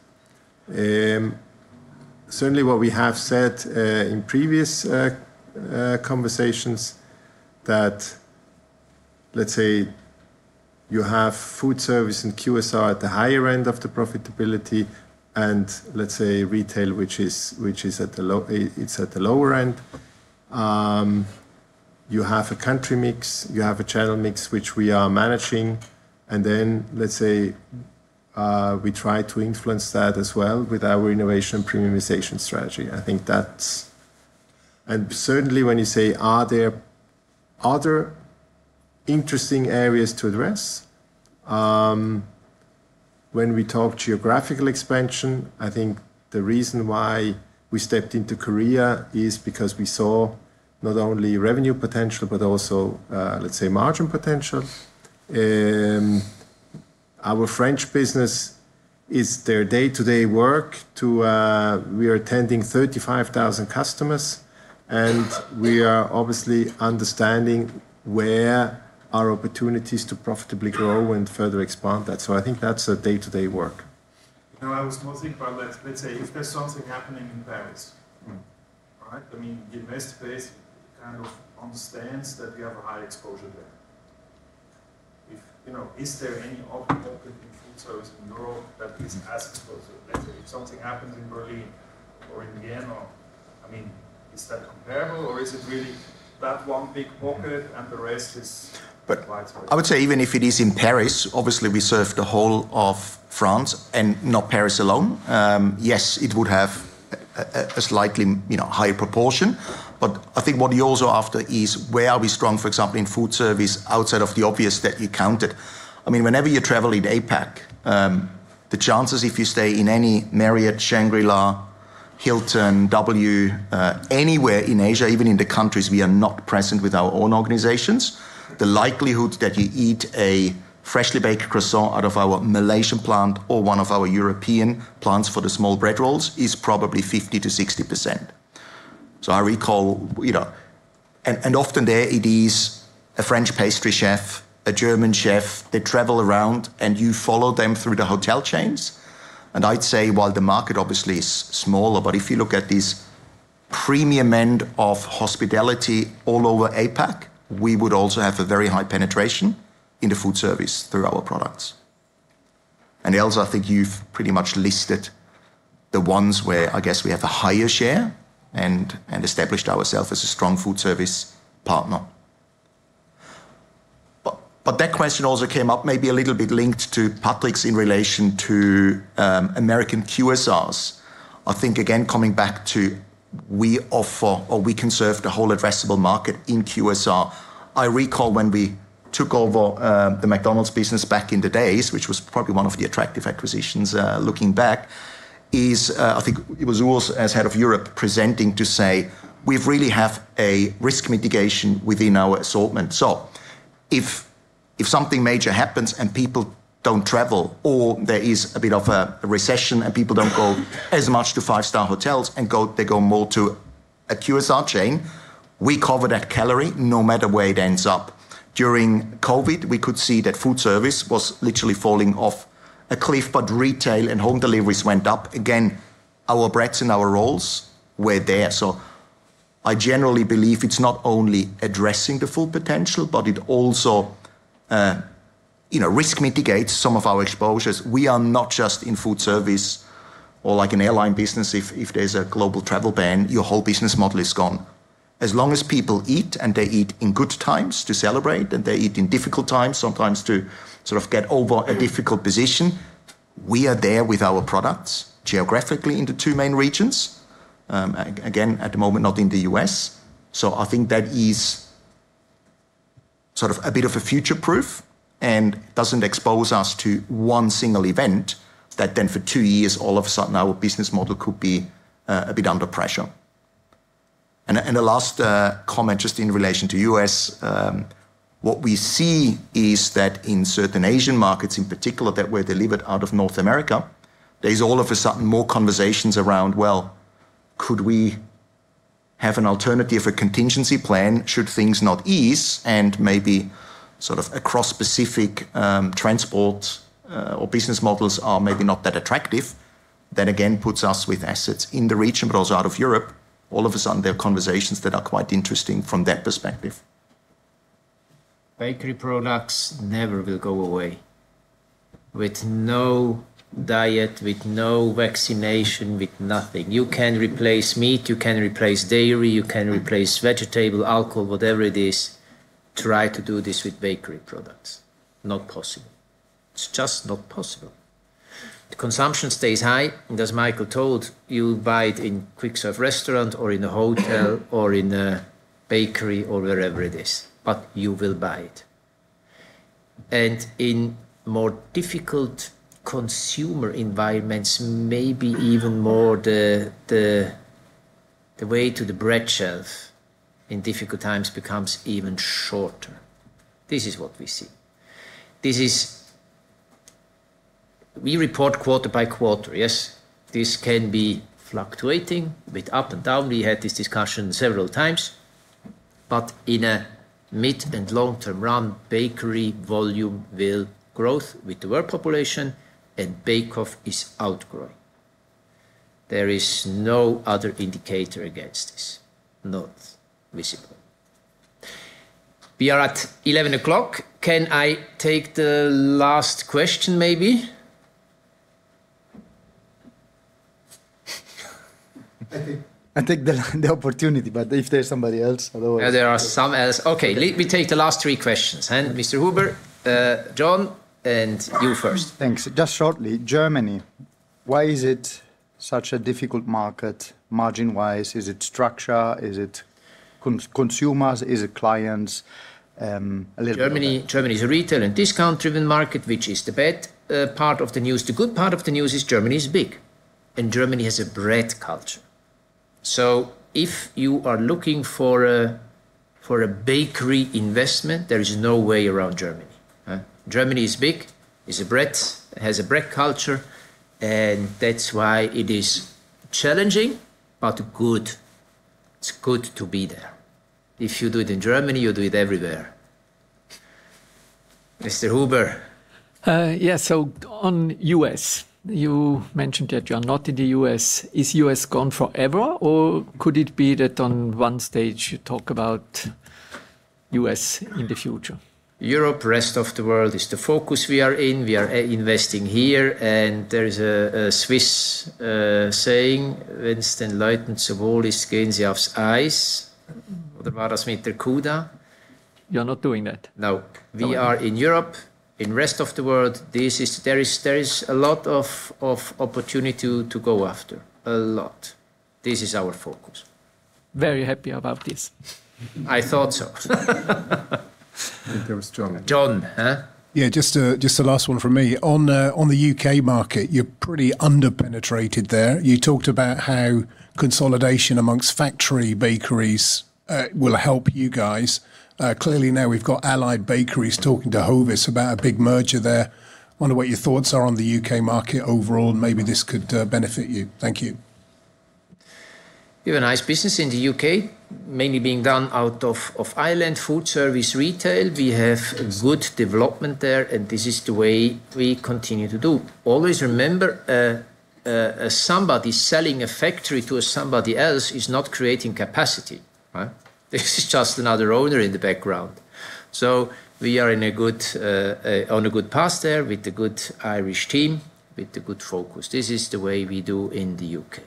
Certainly, what we have said in previous conversations is that, let's say, you have food service and QSR at the higher end of the profitability and, let's say, retail, which is at the lower end. You have a country mix, you have a channel mix, which we are managing. Then, let's say, we try to influence that as well with our innovation premiumization strategy. I think that's... Certainly, when you say, are there other interesting areas to address? When we talk geographical expansion, I think the reason why we stepped into Korea is because we saw not only revenue potential, but also, let's say, margin potential. Our French business is their day-to-day work. We are attending 35,000 customers, and we are obviously understanding where our opportunities to profitably grow and further expand that. I think that's a day-to-day work. Now, I was wondering about that. Let's say if there's something happening in Paris, all right? I mean, the investor base kind of understands that we have a high exposure there. Is there any other market in food service in Europe that is as exposed? Let's say if something happens in Berlin or in Vienna, I mean, is that comparable or is it really that one big pocket and the rest is widespread? I would say even if it is in Paris, obviously, we serve the whole of France and not Paris alone. Yes, it would have a slightly higher proportion. I think what you're also after is where are we strong, for example, in food service outside of the obvious that you counted? I mean, whenever you travel in APAC, the chances if you stay in any Marriott, Shangri-La, Hilton, W, anywhere in Asia, even in the countries we are not present with our own organizations, the likelihood that you eat a freshly baked croissant out of our Malaysian plant or one of our European plants for the small bread rolls is probably 50-60%. I recall, and often there it is a French pastry chef, a German chef, they travel around and you follow them through the hotel chains. I'd say while the market obviously is smaller, if you look at this premium end of hospitality all over APAC, we would also have a very high penetration in the food service through our products. Else, I think you've pretty much listed the ones where I guess we have a higher share and established ourselves as a strong food service partner. That question also came up maybe a little bit linked to Patrik's in relation to American QSRs. I think, again, coming back to we offer or we can serve the whole addressable market in QSR. I recall when we took over the McDonald's business back in the days, which was probably one of the attractive acquisitions looking back, is I think it was Urs as head of Europe presenting to say, "We really have a risk mitigation within our assortment. If something major happens and people do not travel or there is a bit of a recession and people do not go as much to five-star hotels and they go more to a QSR chain, we cover that calorie no matter where it ends up. During COVID, we could see that food service was literally falling off a cliff, but retail and home deliveries went up. Again, our breads and our rolls were there. I generally believe it is not only addressing the full potential, but it also risk mitigates some of our exposures. We are not just in food service or like an airline business. If there is a global travel ban, your whole business model is gone. As long as people eat and they eat in good times to celebrate and they eat in difficult times sometimes to sort of get over a difficult position, we are there with our products geographically in the two main regions. Again, at the moment, not in the U.S. I think that is sort of a bit of a future proof and does not expose us to one single event that then for two years, all of a sudden, our business model could be a bit under pressure. The last comment just in relation to the U.S., what we see is that in certain Asian markets in particular that were delivered out of North America, there's all of a sudden more conversations around, "Well, could we have an alternative or contingency plan should things not ease?" Maybe sort of across Pacific transport or business models are maybe not that attractive. That again puts us with assets in the region, but also out of Europe. All of a sudden, there are conversations that are quite interesting from that perspective. Bakery products never will go away with no diet, with no vaccination, with nothing. You can replace meat, you can replace dairy, you can replace vegetable, alcohol, whatever it is, try to do this with bakery products. Not possible. It's just not possible. The consumption stays high, and as Michael told, you buy it in a quick-serve restaurant or in a hotel or in a bakery or wherever it is, but you will buy it. In more difficult consumer environments, maybe even more the way to the bread shelf in difficult times becomes even shorter. This is what we see. We report quarter by quarter, yes. This can be fluctuating with up and down. We had this discussion several times, but in a mid and long-term run, bakery volume will grow with the world population and bake-off is outgrowing. There is no other indicator against this. Not visible. We are at 11:00 A.M. Can I take the last question maybe? I take the opportunity, but if there's somebody else, otherwise. There are some else. Okay. Let me take the last three questions. And Mr. Huber, John, and you first. Thanks. Just shortly, Germany. Why is it such a difficult market margin-wise? Is it structure? Is it consumers? Is it clients? Germany is a retail and discount-driven market, which is the bad part of the news. The good part of the news is Germany is big. Germany has a bread culture. If you are looking for a bakery investment, there is no way around Germany. Germany is big, has a bread culture, and that is why it is challenging, but it is good to be there. If you do it in Germany, you do it everywhere. Mr. Huber. Yes. On U.S., you mentioned that you are not in the U.S. Is U.S. gone forever or could it be that at one stage you talk about U.S. in the future? Europe, rest of the world is the focus we are in. We are investing here. There is a Swiss saying, "Wenn es den Leuten zu wohl ist, gehen sie aufs Eis." Oder war das mit der Kuda? You're not doing that. No. We are in Europe, in rest of the world. There is a lot of opportunity to go after. A lot. This is our focus. Very happy about this. I thought so. I think there was John. John, huh? Yeah, just a last one from me. On the U.K. market, you're pretty under-penetrated there. You talked about how consolidation amongst factory bakeries will help you guys. Clearly now we've got Allied Bakeries talking to Hovis about a big merger there. I wonder what your thoughts are on the U.K. market overall, and maybe this could benefit you. Thank you. We have a nice business in the U.K., mainly being done out of Ireland, food service, retail. We have good development there, and this is the way we continue to do. Always remember, somebody selling a factory to somebody else is not creating capacity. This is just another owner in the background. We are on a good path there with the good Irish team, with the good focus. This is the way we do in the U.K.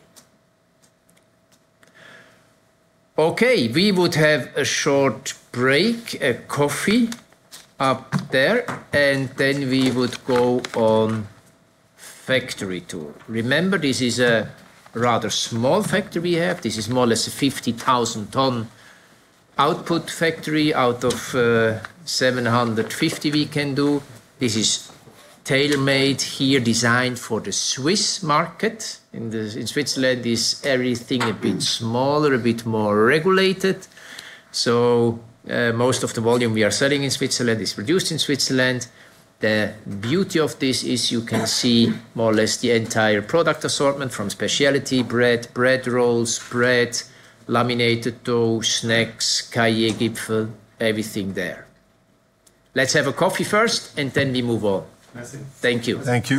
Okay. We would have a short break, a coffee up there, and then we would go on factory tour. Remember, this is a rather small factory we have. This is more or less a 50,000-ton output factory out of 750 we can do. This is tailor-made here, designed for the Swiss market. In Switzerland, everything is a bit smaller, a bit more regulated. Most of the volume we are selling in Switzerland is produced in Switzerland. The beauty of this is you can see more or less the entire product assortment from specialty bread, bread rolls, bread, laminated dough, snacks, Kajer Gipfel, everything there. Let's have a coffee first, and then we move on. Thank you. Thank you.